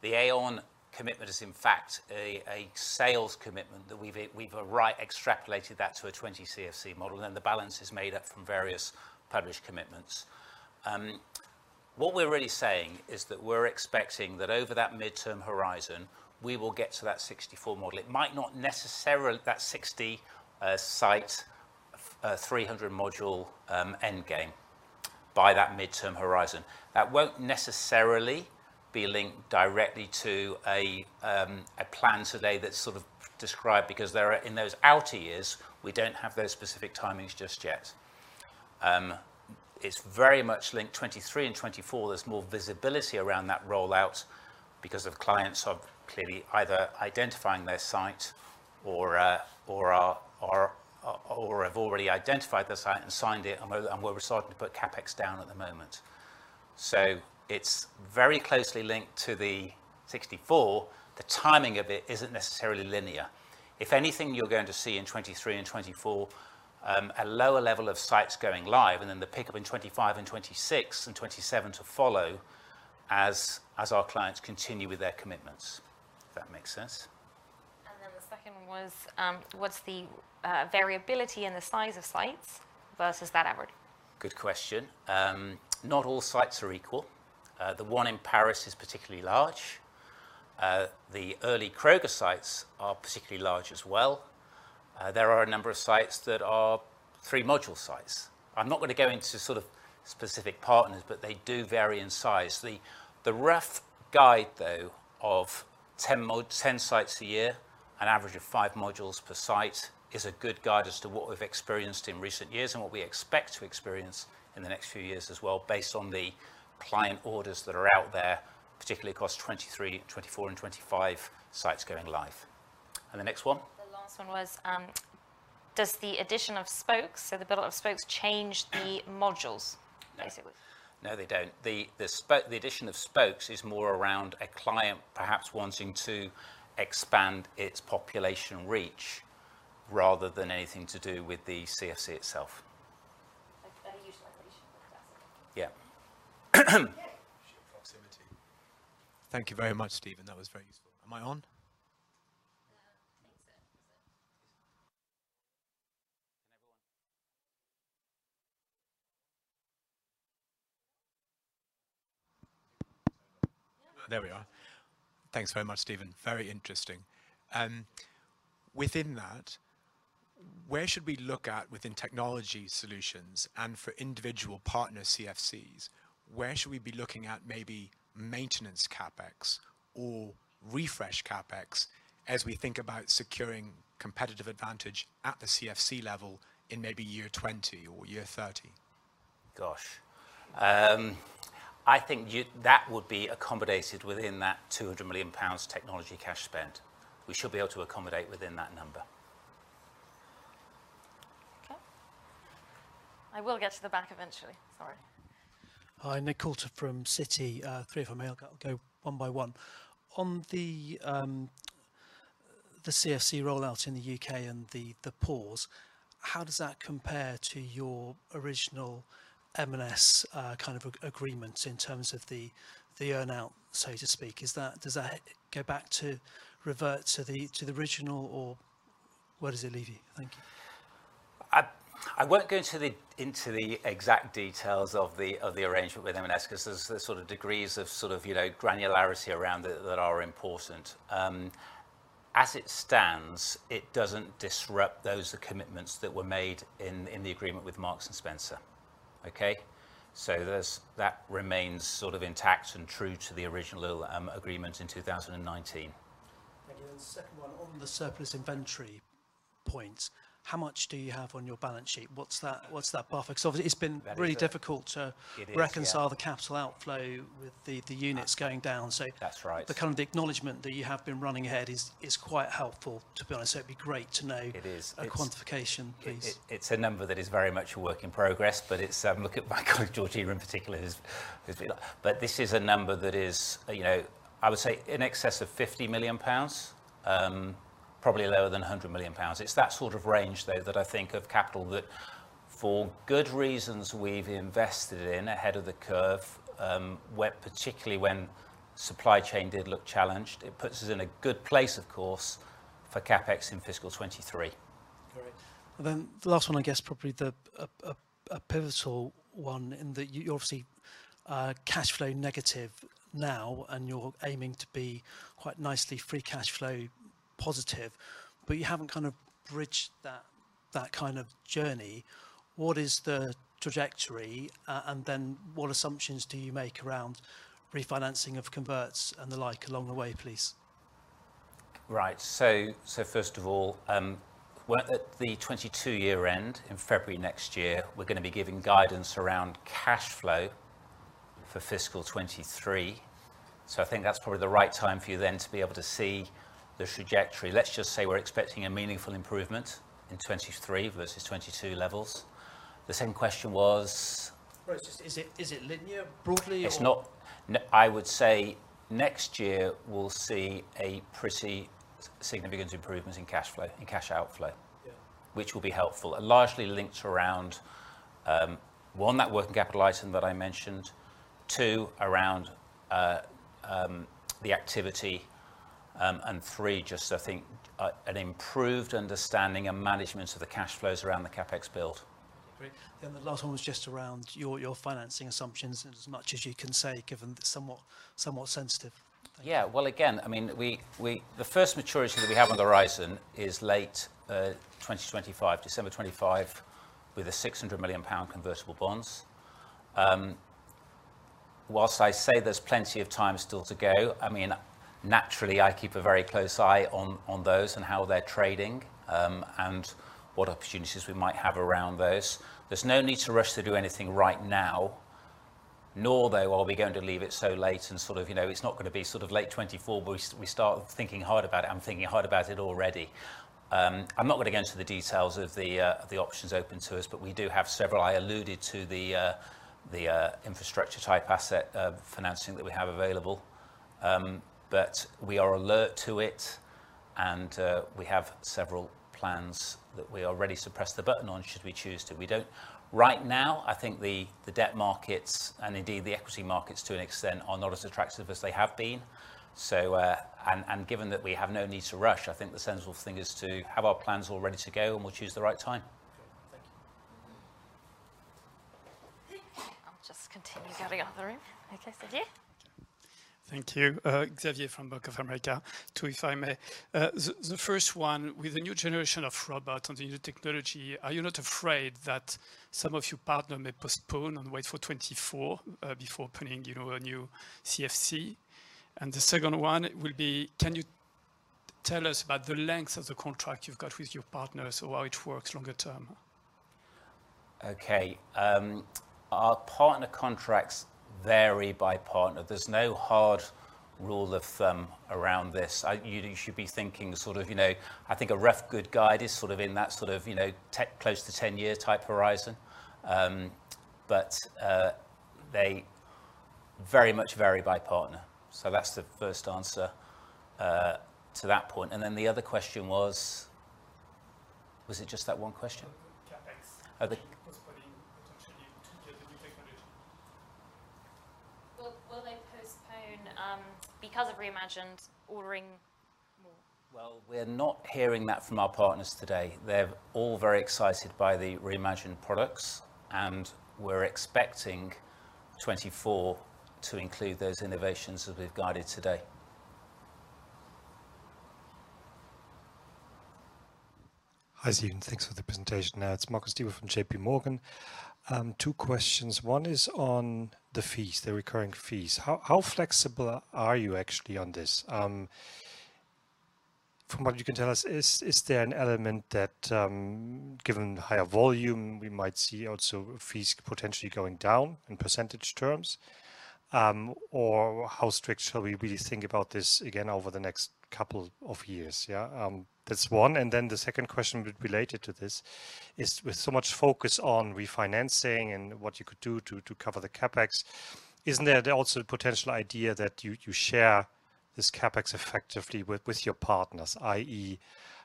The Aeon commitment is in fact a sales commitment that we've extrapolated that to a 20 CFC model, and the balance is made up from various published commitments. What we're really saying is that we're expecting that over that midterm horizon, we will get to that 64 model. That 60 site 300 module endgame by that midterm horizon. That won't necessarily be linked directly to a plan today that's sort of described because there are in those out years, we don't have those specific timings just yet. It's very much linked. 2023 and 2024, there's more visibility around that rollout because of clients have clearly either identifying their site or have already identified the site and signed it and we're starting to put CapEx down at the moment. It's very closely linked to the 64. The timing of it isn't necessarily linear. If anything, you're going to see in 2023 and 2024, a lower level of sites going live and then the pickup in 2025 and 2026 and 2027 to follow as our clients continue with their commitments. If that makes sense. The second one was, what's the variability in the size of sites versus that average? Good question. Not all sites are equal. The one in Paris is particularly large. The early Kroger sites are particularly large as well. There are a number of sites that are three-module sites. I'm not gonna go into sort of specific partners, but they do vary in size. The rough guide though of 10 sites a year, an average of five modules per site is a good guide as to what we've experienced in recent years and what we expect to experience in the next few years as well based on the client orders that are out there, particularly across 2023, 2024, and 2025 sites going live. The next one? The last one was, does the addition of spokes, so the build out of spokes change the modules, basically? No, they don't. The addition of spokes is more around a client perhaps wanting to expand its population reach rather than anything to do with the CFC itself. Yeah. Okay. Sheer proximity. Thank you very much, Stephen. That was very useful. Am I on? I think so. Is it? Can everyone... There we are. Thanks very much, Stephen. Very interesting. Within that, where should we look at within Technology Solutions and for individual partner CFCs, where should we be looking at maybe maintenance CapEx or refresh CapEx as we think about securing competitive advantage at the CFC level in maybe year 20 or year 30? Gosh. I think that would be accommodated within that 200 million pounds technology cash spend. We should be able to accommodate within that number. Okay. I will get to the back eventually. Sorry. Hi, Nick Coulter from Citi. Three if I may. I'll go one by one. On the CFC rollout in the U.K. and the pause, how does that compare to your original M&S kind of agreement in terms of the earn-out, so to speak? Does that go back to revert to the original, or where does it leave you? Thank you. I won't go into the exact details of the arrangement with M&S 'cause there's sort of degrees of sort of, you know, granularity around it that are important. As it stands, it doesn't disrupt those commitments that were made in the agreement with Marks & Spencer. Okay? That remains sort of intact and true to the original agreement in 2019. Thank you. The second one, on the surplus inventory point, how much do you have on your balance sheet? What's that buffer? 'Cause obviously it's been- Very good.... really difficult to- It is, yeah.... reconcile the capital outflow with the units going down- That's right.... the kind of the acknowledgement that you have been running ahead is quite helpful, to be honest. It'd be great to know- It is. ...a quantification, please. It's a number that is very much a work in progress, but it's, look at my colleague, Georgie in particular, who's been. This is a number that is, you know, I would say in excess of 50 million pounds, probably lower than 100 million pounds. It's that sort of range though, that I think of capital that for good reasons we've invested in ahead of the curve, when, particularly when supply chain did look challenged. It puts us in a good place, of course, for CapEx in fiscal 2023. Great. The last one, I guess probably the pivotal one in that you're obviously cash flow negative now, and you're aiming to be quite nicely free cash flow positive, but you haven't kind of bridged that kind of journey. What is the trajectory? What assumptions do you make around refinancing of converts and the like along the way, please? Right. First of all, we're at the 2022 year end in February next year, we're gonna be giving guidance around cash flow for fiscal 2023. I think that's probably the right time for you then to be able to see the trajectory. Let's just say we're expecting a meaningful improvement in 2023 versus 2022 levels. The second question was? Well, it's just, is it linear broadly or- It's not. I would say next year we'll see a pretty significant improvement in cash flow, in cash outflow. Yeah. Which will be helpful and largely linked around, one, that working capital item that I mentioned, two, around, the activity, and three, just I think, an improved understanding and management of the cash flows around the CapEx build. Great. The last one was just around your financing assumptions and as much as you can say, given that's somewhat sensitive. Yeah. Well, again, I mean, we. The first maturity that we have on the horizon is late 2025, December 2025, with a 600 million pound convertible bonds. Whilst I say there's plenty of time still to go, I mean, naturally I keep a very close eye on those and how they're trading and what opportunities we might have around those. There's no need to rush to do anything right now, nor though are we going to leave it so late and sort of, you know, it's not gonna be sort of late 2024. We start thinking hard about it. I'm thinking hard about it already. I'm not gonna go into the details of the options open to us. We do have several. I alluded to the infrastructure type asset financing that we have available. We are alert to it and we have several plans that we already suppressed the button on should we choose to. Right now, I think the debt markets, and indeed the equity markets to an extent, are not as attractive as they have been. Given that we have no need to rush, I think the sensible thing is to have our plans all ready to go, and we'll choose the right time. Okay. Thank you. I'll just continue going around the room. Okay. Xavier? Thank you. Xavier from Bank of America. Two, if I may. The first one, with the new generation of robots and the new technology, are you not afraid that some of your partner may postpone and wait for 2024, before opening, you know, a new CFC? The second one will be, can you tell us about the length of the contract you've got with your partners or how it works longer term? Okay. Our partner contracts vary by partner. There's no hard rule of thumb around this. You, you should be thinking sort of, you know, I think a rough good guide is sort of in that sort of, you know, close to 10-year type horizon. They very much vary by partner. That's the first answer to that point. The other question was? Was it just that one question? The CapEx- Oh. ...postponing potentially to get the new technology. Will they postpone because of Re:Imagined ordering more? Well, we're not hearing that from our partners today. They're all very excited by the Re:Imagined products, and we're expecting 2024 to include those innovations as we've guided today. Hi, Stephen. Thanks for the presentation. It's Marcus Diebel from JP Morgan. two questions. One is on the fees, the recurring fees. How flexible are you actually on this? From what you can tell us, is there an element that, given higher volume, we might see also fees potentially going down in percentage terms? Or how strict shall we really think about this again over the next couple of years? Yeah, that's one. The second question related to this is with so much focus on refinancing and what you could do to cover the CapEx, isn't there also the potential idea that you share this CapEx effectively with your partners, i.e.,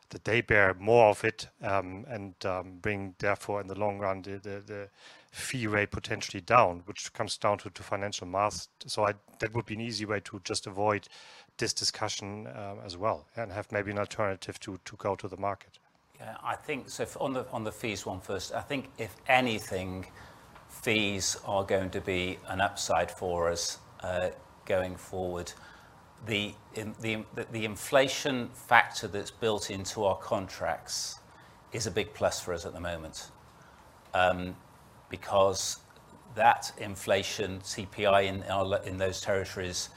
that they bear more of it, and bring therefore in the long run the fee rate potentially down, which comes down to financial math. That would be an easy way to just avoid this discussion as well and have maybe an alternative to go to the market. Yeah, I think so on the, on the fees one first, I think if anything, fees are going to be an upside for us, going forward. The inflation factor that's built into our contracts is a big plus for us at the moment, because that inflation CPI in those territories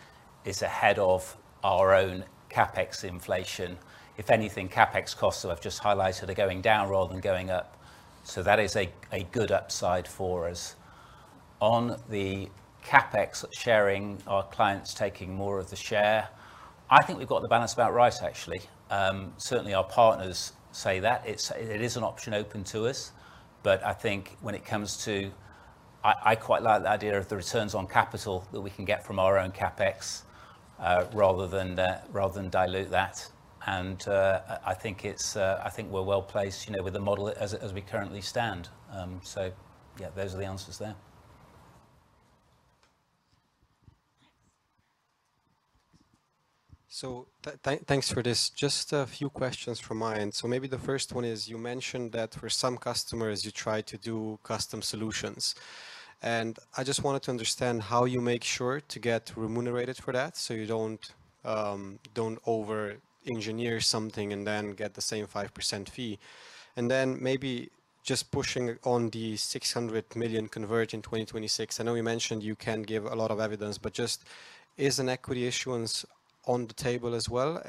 is ahead of our own CapEx inflation. If anything, CapEx costs that I've just highlighted are going down rather than going up. That is a good upside for us. On the CapEx sharing, our clients taking more of the share, I think we've got the balance about right, actually. Certainly our partners say that. It is an option open to us. I think when it comes to... I quite like the idea of the returns on capital that we can get from our own CapEx, rather than dilute that. I think it's, I think we're well-placed, you know, with the model as we currently stand. Yeah, those are the answers there. Thanks for this. Just a few questions from my end. Maybe the first one is you mentioned that for some customers you try to do custom solutions. I just wanted to understand how you make sure to get remunerated for that, so you don't over-engineer something and then get the same 5% fee. Maybe just pushing on the 600 million convert in 2026. I know you mentioned you can give a lot of evidence, just is an equity issuance on the table as well?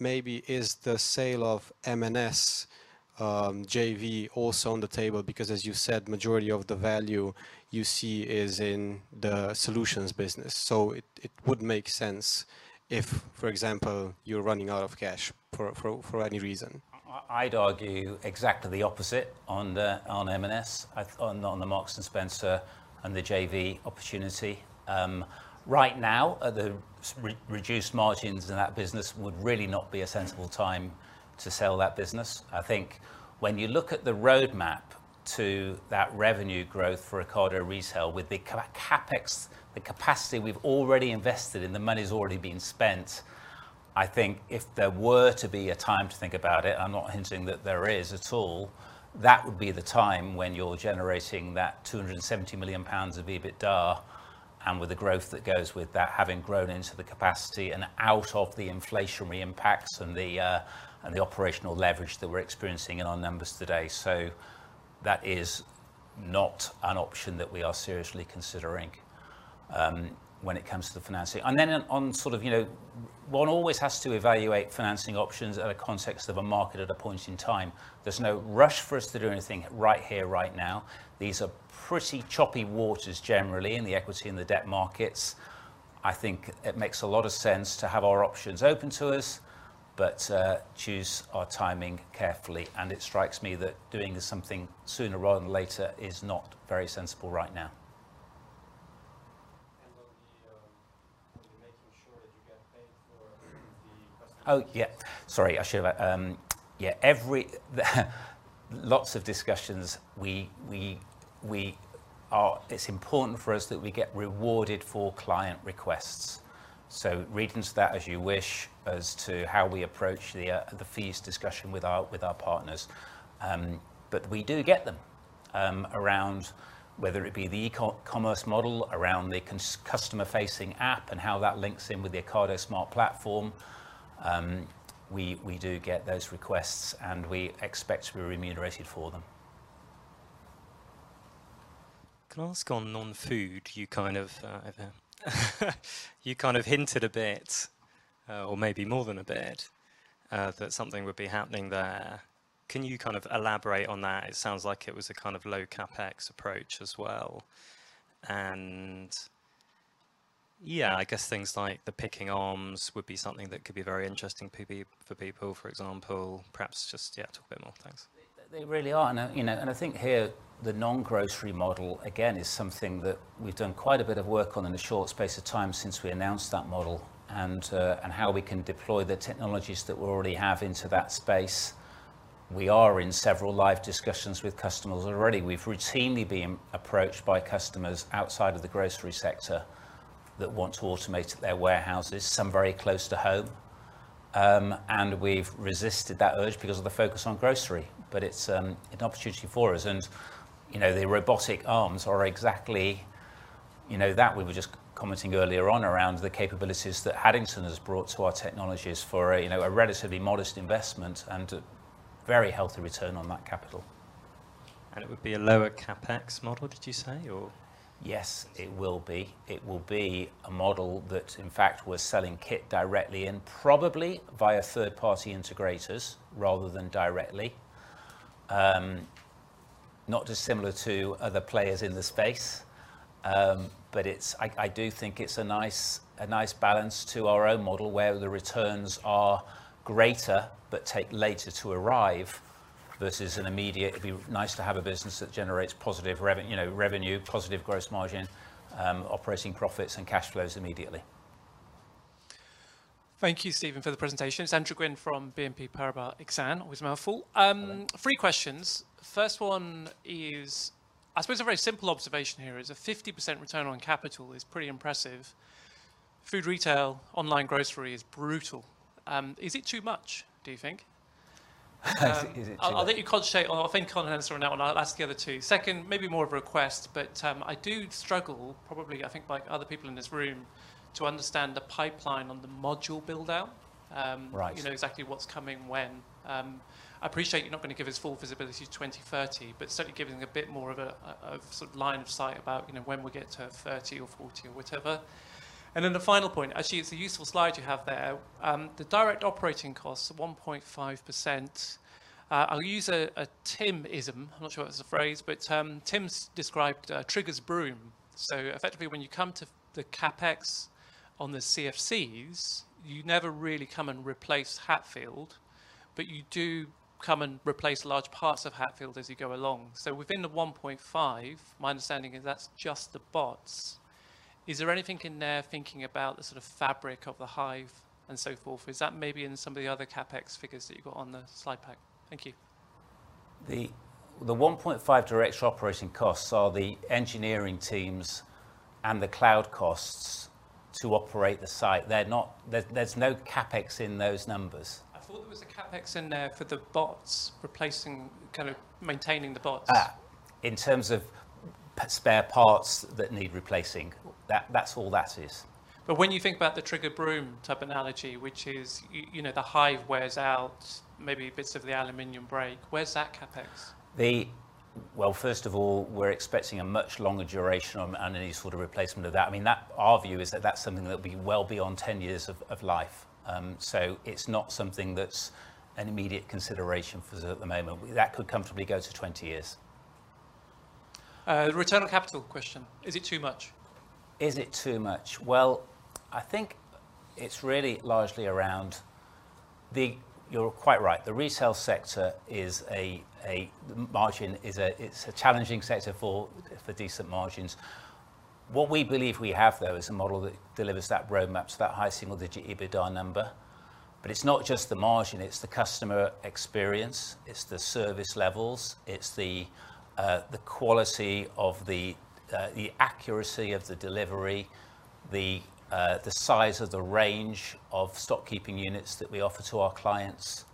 Maybe is the sale of M&S JV also on the table? As you said, majority of the value you see is in the solutions business. It would make sense if, for example, you're running out of cash for any reason. I'd argue exactly the opposite on M&S. on the Marks & Spencer and the JV opportunity. Right now, at the reduced margins in that business would really not be a sensible time to sell that business. I think when you look at the roadmap to that revenue growth for Ocado Retail with the CapEx, the capacity we've already invested in, the money's already been spent. I think if there were to be a time to think about it, I'm not hinting that there is at all, that would be the time when you're generating that 270 million pounds of EBITDA and with the growth that goes with that, having grown into the capacity and out of the inflationary impacts and the operational leverage that we're experiencing in our numbers today. That is not an option that we are seriously considering when it comes to the financing. On sort of, you know, one always has to evaluate financing options at a context of a market at a point in time. There's no rush for us to do anything right here, right now. These are pretty choppy waters generally in the equity and the debt markets. I think it makes a lot of sense to have our options open to us, but choose our timing carefully. It strikes me that doing something sooner rather than later is not very sensible right now. On the making sure that you get paid for the customization. Yeah. Sorry, I should have. Yeah. Lots of discussions. It's important for us that we get rewarded for client requests. Read into that as you wish as to how we approach the fees discussion with our partners. We do get them around whether it be the e-commerce model, around the customer-facing app and how that links in with the Ocado Smart Platform. We do get those requests, we expect to be remunerated for them. Can I ask on non-food, you kind of, you kind of hinted a bit, or maybe more than a bit, that something would be happening there. Can you kind of elaborate on that? It sounds like it was a kind of low CapEx approach as well. I guess things like the picking arms would be something that could be very interesting for people, for example. Perhaps just, yeah, talk a bit more. Thanks. They really are. You know, and I think here, the non-grocery model, again, is something that we've done quite a bit of work on in a short space of time since we announced that model and how we can deploy the technologies that we already have into that space. We are in several live discussions with customers already. We've routinely been approached by customers outside of the grocery sector that want to automate their warehouses, some very close to home. We've resisted that urge because of the focus on grocery, it's an opportunity for us. You know, the robotic arms are exactly, you know, that we were just commenting earlier on around the capabilities that Haddington has brought to our technologies for a, you know, a relatively modest investment and a very healthy return on that capital. It would be a lower CapEx model, did you say, or? Yes, it will be. It will be a model that, in fact, we're selling kit directly and probably via third-party integrators rather than directly. Not dissimilar to other players in the space. I do think it's a nice, a nice balance to our own model where the returns are greater but take later to arrive versus an immediate. It'd be nice to have a business that generates positive revenue, you know, positive gross margin, operating profits and cash flows immediately. Thank you, Stephen, for the presentation. It's Andrew Gwynn from BNP Paribas Exane. Always a mouthful. Hello. Three questions. First one is, I suppose a very simple observation here is a 50% return on capital is pretty impressive. Food retail, online grocery is brutal. Is it too much, do you think? Is it too much? I'll let you concentrate on. I think concentrate on that one. I'll ask the other two. Second, maybe more of a request, but I do struggle, probably, I think like other people in this room, to understand the pipeline on the module build-out. Right. You know, exactly what's coming when. I appreciate you're not going to give us full visibility to 2030, certainly giving a bit more of a sort of line of sight about, you know, when we get to 30 or 40 or whatever. The final point, actually, it's a useful slide you have there. The direct operating costs of 1.5%. I'll use a Tim-ism. I'm not sure if that's a phrase, Tim's described Trigger's Broom. Effectively, when you come to the CapEx on the CFCs, you never really come and replace Hatfield, you do come and replace large parts of Hatfield as you go along. Within the 1.5%, my understanding is that's just the bots. Is there anything in there thinking about the sort of fabric of the hive and so forth? Is that maybe in some of the other CapEx figures that you've got on the slide pack? Thank you. The 1.5 direct operating costs are the engineering teams and the cloud costs to operate the site. There's no CapEx in those numbers. I thought there was a CapEx in there for the bots replacing, kind of maintaining the bots. In terms of spare parts that need replacing. That's all that is. When you think about the Trigger's Broom type analogy, which is you know, the hive wears out, maybe bits of the aluminum break, where's that CapEx? Well, first of all, we're expecting a much longer duration on any sort of replacement of that. I mean, our view is that that'll be well beyond 10 years of life. It's not something that's an immediate consideration for us at the moment. That could comfortably go to 20 years. The return on capital question, is it too much? Is it too much? Well, I think it's really largely around the. You're quite right. The resale sector is a margin, it's a challenging sector for decent margins. What we believe we have, though, is a model that delivers that roadmaps, that high single-digit EBITDA number. It's not just the margin, it's the customer experience, it's the service levels, it's the quality of the accuracy of the delivery, the size of the range of stock keeping units that we offer to our clients,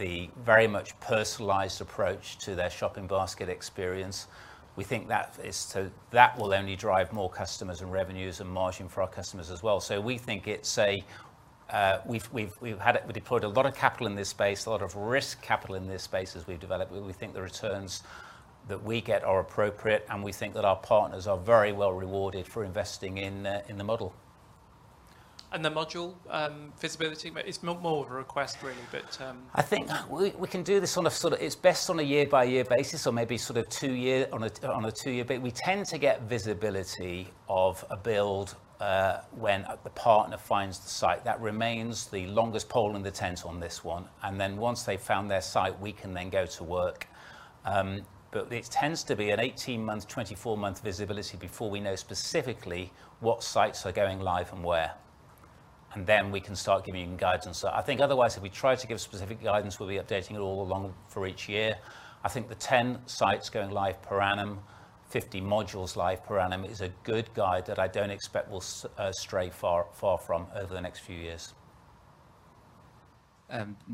the very much personalized approach to their shopping basket experience. We think that will only drive more customers and revenues and margin for our customers as well. We think it's a, we've had it deployed a lot of capital in this space, a lot of risk capital in this space as we've developed. We think the returns that we get are appropriate, and we think that our partners are very well rewarded for investing in the model. The module visibility, it's more of a request, really, but. I think we can do this on a sort of, it's best on a year by year basis or maybe sort of two year, on a two year bit. We tend to get visibility of a build when the partner finds the site. That remains the longest pole in the tent on this one. Once they've found their site, we can then go to work. But it tends to be an 18-month, 24-month visibility before we know specifically what sites are going live and where. We can start giving guidance. I think otherwise, if we try to give specific guidance, we'll be updating it all along for each year. I think the 10 sites going live per annum, 50 modules live per annum is a good guide that I don't expect will stray far from over the next few years.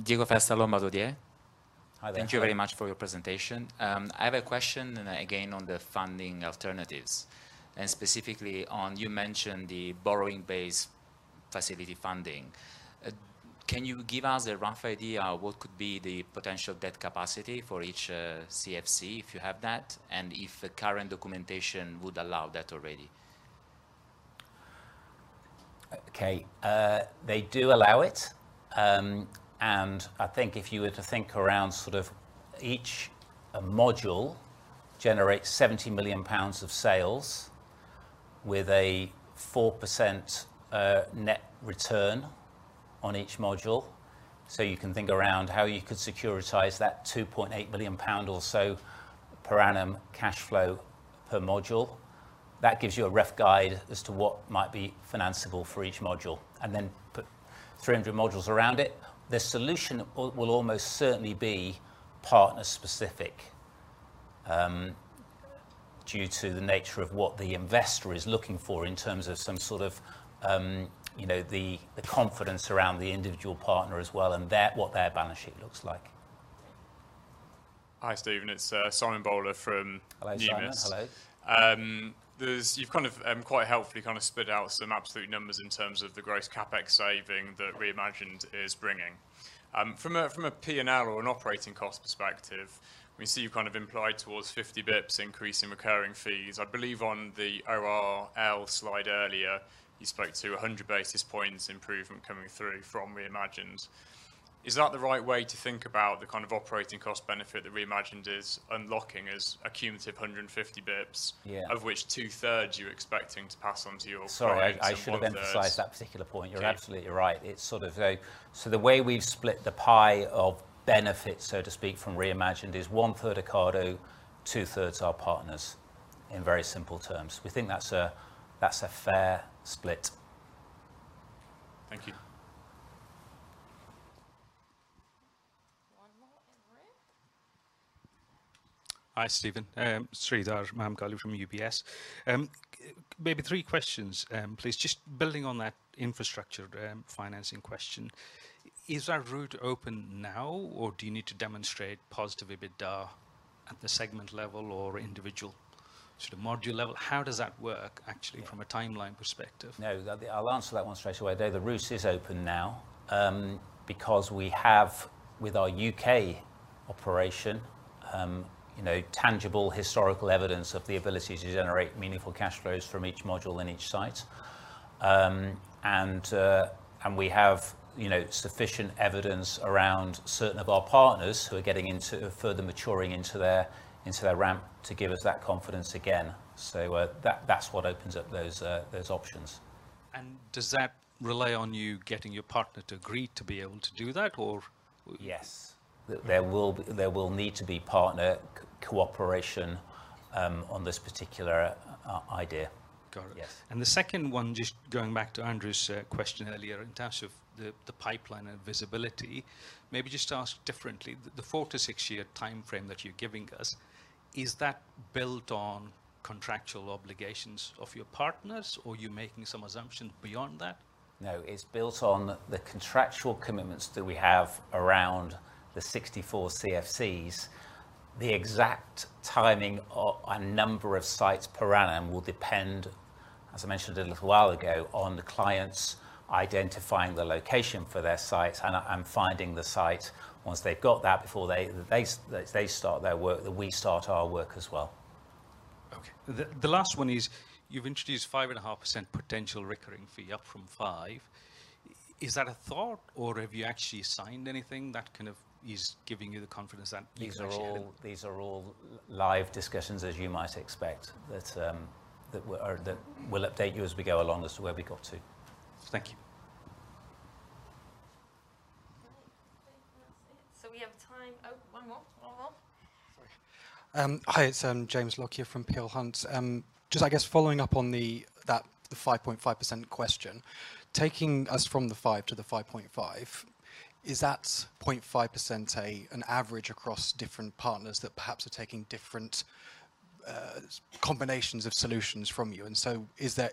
[Diego Festalomo Dodier.] Hi there. Thank you very much for your presentation. I have a question again on the funding alternatives. Specifically on, you mentioned the borrowing base facility funding. Can you give us a rough idea what could be the potential debt capacity for each CFC, if you have that, and if the current documentation would allow that already? Okay. They do allow it. And I think if you were to think around sort of each module generates 70 million pounds of sales with a 4% net return on each module. You can think around how you could securitize that 2.8 million pound or so per annum cash flow per module. That gives you a rough guide as to what might be financeable for each module, and then put 300 modules around it. The solution will almost certainly be partner-specific, due to the nature of what the investor is looking for in terms of some sort of, you know, the confidence around the individual partner as well, and what their balance sheet looks like. Hi, Stephen. It's Simon Bowler from- Hello, Simon. Hello. Numis. You've kind of, quite helpfully kind of spit out some absolute numbers in terms of the gross CapEx saving that Re:Imagined is bringing. From a P&L or an operating cost perspective, we see you've kind of implied towards 50 basis points increase in recurring fees. I believe on the ORL slide earlier, you spoke to 100 basis points improvement coming through from Re:Imagined. Is that the right way to think about the kind of operating cost benefit that Re:Imagined is unlocking as a cumulative 150 basis points- Yeah. ...of which 2/3 you're expecting to pass on to your clients, and1/3. Sorry, I should have emphasized that particular point. Yeah. You're absolutely right. It's sort of the way we've split the pie of benefits, so to speak, from Re:Imagined is 1/3 Ocado, 2/3 our partners, in very simple terms. We think that's a fair split. Thank you. One more, everyone. Hi, Stephen. Sreedhar Mahamkali from UBS. Maybe three questions, please. Just building on that infrastructure, financing question. Is that route open now, or do you need to demonstrate positive EBITDA at the segment level or individual sort of module level? How does that work actually from a timeline perspective? No. I'll answer that one straight away. The route is open now because we have with our U.K. operation, you know, tangible historical evidence of the ability to generate meaningful cash flows from each module in each site. And we have, you know, sufficient evidence around certain of our partners who are getting into further maturing into their ramp to give us that confidence again. That's what opens up those options. Does that rely on you getting your partner to agree to be able to do that or...? Yes. Okay. There will be, there will need to be partner cooperation on this particular idea. Got it. Yes. The second one, just going back to Andrew Gwynn's question earlier in terms of the pipeline and visibility. Maybe just ask differently. The four to six year timeframe that you're giving us, is that built on contractual obligations of your partners, or you're making some assumptions beyond that? No, it's built on the contractual commitments that we have around the 64 CFCs. The exact timing of a number of sites per annum will depend, as I mentioned a little while ago, on the clients identifying the location for their sites and finding the site once they've got that before they start their work, that we start our work as well. Okay. The last one is, you've introduced 5.5% potential recurring fee up from 5%. Is that a thought or have you actually signed anything that kind of is giving you the confidence that these are actually- These are all live discussions, as you might expect, that we'll update you as we go along as to where we got to. Thank you. Right. I think that's it. We have time... Oh, one more. One more. Sorry. Hi, it's James Lockyer from Peel Hunt. Just I guess following up on the 5.5% question. Taking us from the 5% to the 5.5%, is that 0.5% an average across different partners that perhaps are taking different combinations of solutions from you? Is there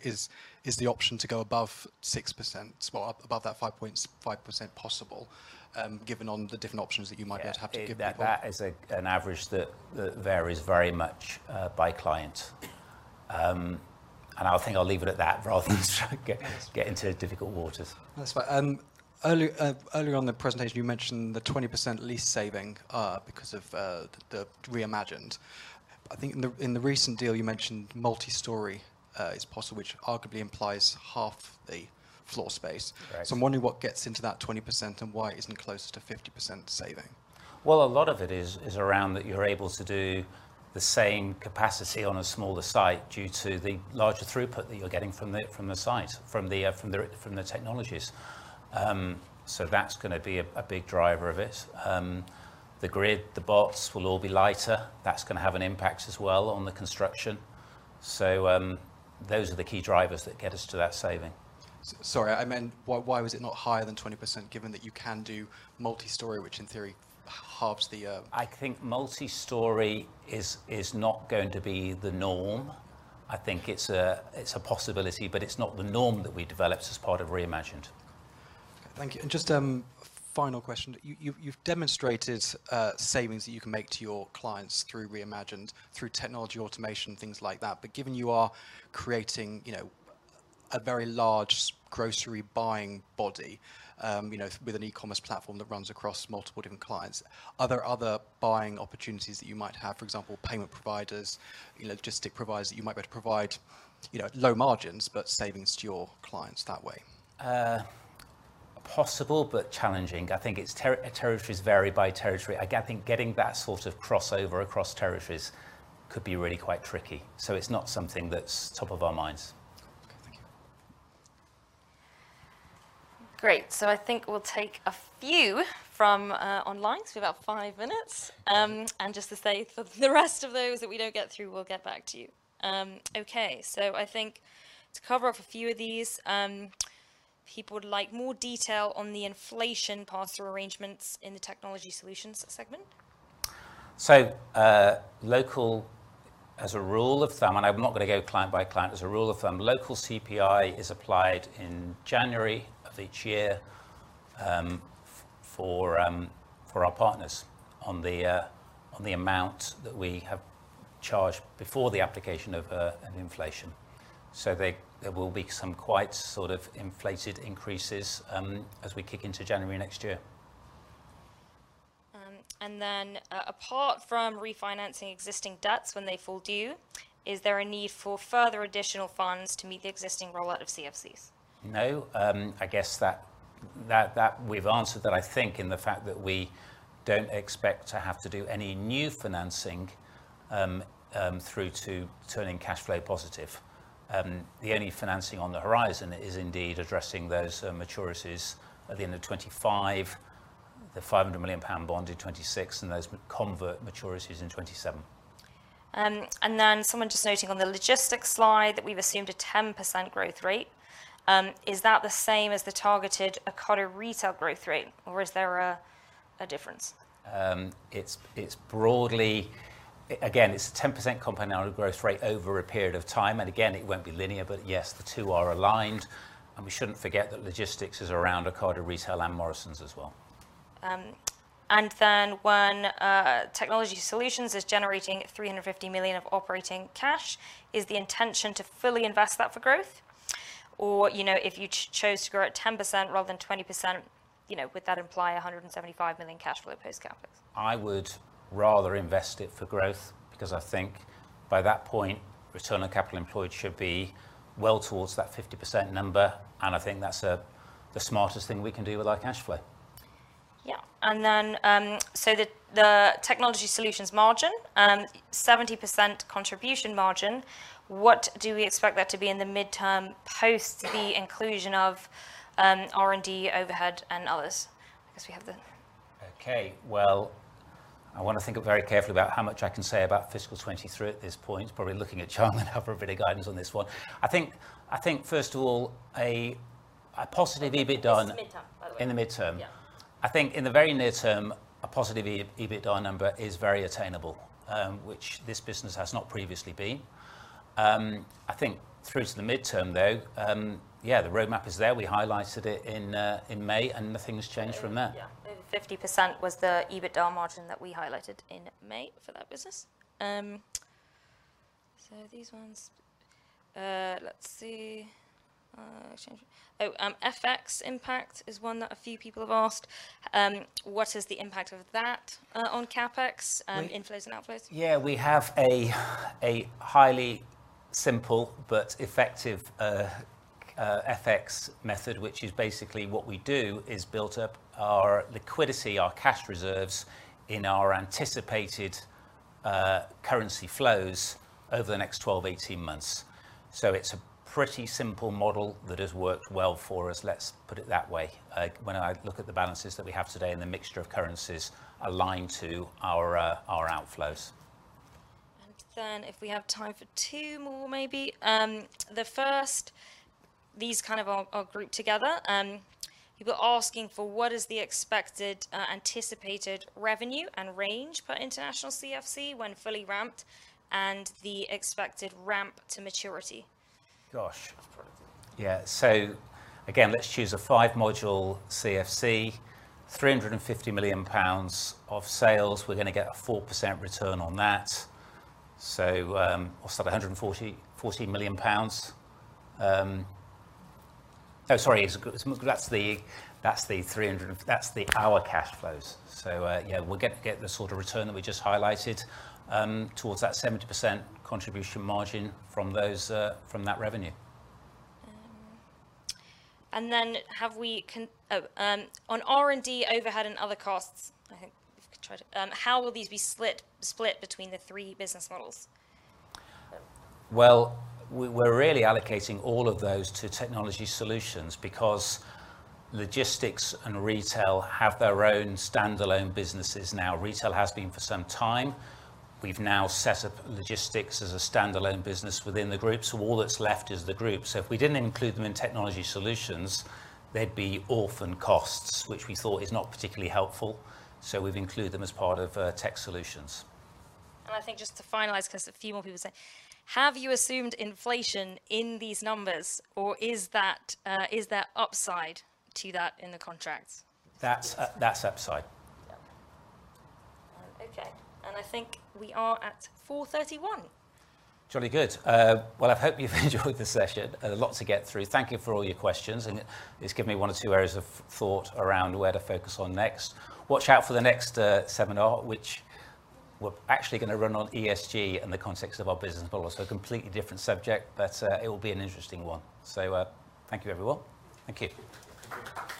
the option to go above 6%? Well, above that 5.5% possible, given on the different options that you might yet have to give people? Yeah. That is an average that varies very much by client. I think I'll leave it at that rather than try and get into difficult waters. That's fine. early, earlier on the presentation, you mentioned the 20% lease saving, because of the Re:Imagined. I think in the recent deal, you mentioned multi-story is possible, which arguably implies half the floor space. Right. I'm wondering what gets into that 20% and why it isn't closer to 50% saving. Well, a lot of it is around that you're able to do the same capacity on a smaller site due to the larger throughput that you're getting from the site, from the technologies. That's gonna be a big driver of it. The grid, the bots will all be lighter. That's gonna have an impact as well on the construction. Those are the key drivers that get us to that saving. Sorry, I meant why was it not higher than 20% given that you can do multi-story, which in theory halves the? I think multi-story is not going to be the norm. I think it's a possibility, but it's not the norm that we developed as part of Re:Imagined. Okay. Thank you. Just final question. You've demonstrated savings that you can make to your clients through Re:Imagined, through technology automation, things like that. Given you are creating, you know, a very large grocery buying body, you know, with an e-commerce platform that runs across multiple different clients, are there other buying opportunities that you might have? For example, payment providers, you know, logistic providers that you might be able to provide, you know, low margins, but savings to your clients that way? Possible but challenging. I think it's territories vary by territory. I think getting that sort of crossover across territories could be really quite tricky. It's not something that's top of our minds. Okay. Thank you. Great. I think we'll take a few from online. We've about five minutes. Just to say for the rest of those that we don't get through, we'll get back to you. I think to cover off a few of these, people would like more detail on the inflation pass-through arrangements in the technology solutions segment. local, as a rule of thumb, and I'm not gonna go client by client, as a rule of thumb, local CPI is applied in January of each year, for our partners on the amount that we have charged before the application of an inflation. There will be some quite sort of inflated increases as we kick into January next year. Apart from refinancing existing debts when they fall due, is there a need for further additional funds to meet the existing rollout of CFCs? No. I guess that we've answered that, I think, in the fact that we don't expect to have to do any new financing, through to turning cash flow positive. The only financing on the horizon is indeed addressing those maturities at the end of 2025, the 500 million pound bond in 2026, and those m-convert maturities in 2027. Someone just noting on the logistics slide that we've assumed a 10% growth rate. Is that the same as the targeted Ocado Retail growth rate, or is there a difference? It's broadly. Again, it's a 10% compounded annual growth rate over a period of time, and again, it won't be linear. Yes, the two are aligned. We shouldn't forget that logistics is around Ocado Retail and Morrisons as well. When Technology Solutions is generating 350 million of operating cash, is the intention to fully invest that for growth? Or, you know, if you chose to grow at 10% rather than 20%, you know, would that imply 175 million cash flow post CapEx? I would rather invest it for growth because I think by that point, return on capital employed should be well towards that 50% number, and I think that's the smartest thing we can do with our cash flow. Yeah. The Technology Solutions margin, 70% contribution margin, what do we expect that to be in the midterm post the inclusion of R&D, overhead, and others? Okay. Well, I wanna think very carefully about how much I can say about fiscal 23 at this point. Probably looking at Charlie and have a bit of guidance on this one. I think first of all, a positive EBITDA- This is midterm, by the way. In the midterm. Yeah. I think in the very near term, a positive EBITDA number is very attainable, which this business has not previously been. I think through to the midterm though, yeah, the roadmap is there. We highlighted it in May, nothing's changed from there. Yeah. Yeah. Over 50% was the EBITDA margin that we highlighted in May for that business. These ones. Let's see. FX impact is one that a few people have asked. What is the impact of that on CapEx inflows and outflows? Yeah. We have a highly simple but effective FX method, which is basically what we do is build up our liquidity, our cash reserves in our anticipated currency flows over the next 12, 18 months. It's a pretty simple model that has worked well for us. Let's put it that way. When I look at the balances that we have today and the mixture of currencies aligned to our outflows. If we have time for two more, maybe. The first, these kind of are grouped together. People are asking for what is the expected, anticipated revenue and range per international CFC when fully ramped and the expected ramp to maturity. Gosh. That's quite a few. Yeah. Again, let's choose a five-module CFC, 350 million pounds of sales. We're gonna get a 4% return on that. What's that? 40 million pounds. Oh, sorry. It's That's the our cash flows. Yeah, we'll get the sort of return that we just highlighted, towards that 70% contribution margin from those, from that revenue. On R&D, overhead, and other costs, I think if we could try to, how will these be split between the three business models? Well, we're really allocating all of those to Technology Solutions because Logistics and Retail have their own standalone businesses now. Retail has been for some time. We've now set up Logistics as a standalone business within the group. All that's left is the group. If we didn't include them in Technology Solutions, they'd be orphan costs, which we thought is not particularly helpful. We've included them as part of Tech Solutions. I think just to finalize, 'cause a few more people are saying, have you assumed inflation in these numbers, or is there upside to that in the contracts? That's, that's upside. Yep. Okay. I think we are at 4:31 P.M.. Jolly good. well, I hope you've enjoyed the session. A lot to get through. Thank you for all your questions, and it's given me one or two areas of thought around where to focus on next. Watch out for the next, seminar, which we're actually gonna run on ESG and the context of our business model. a completely different subject, but, it will be an interesting one. thank you, everyone. Thank you.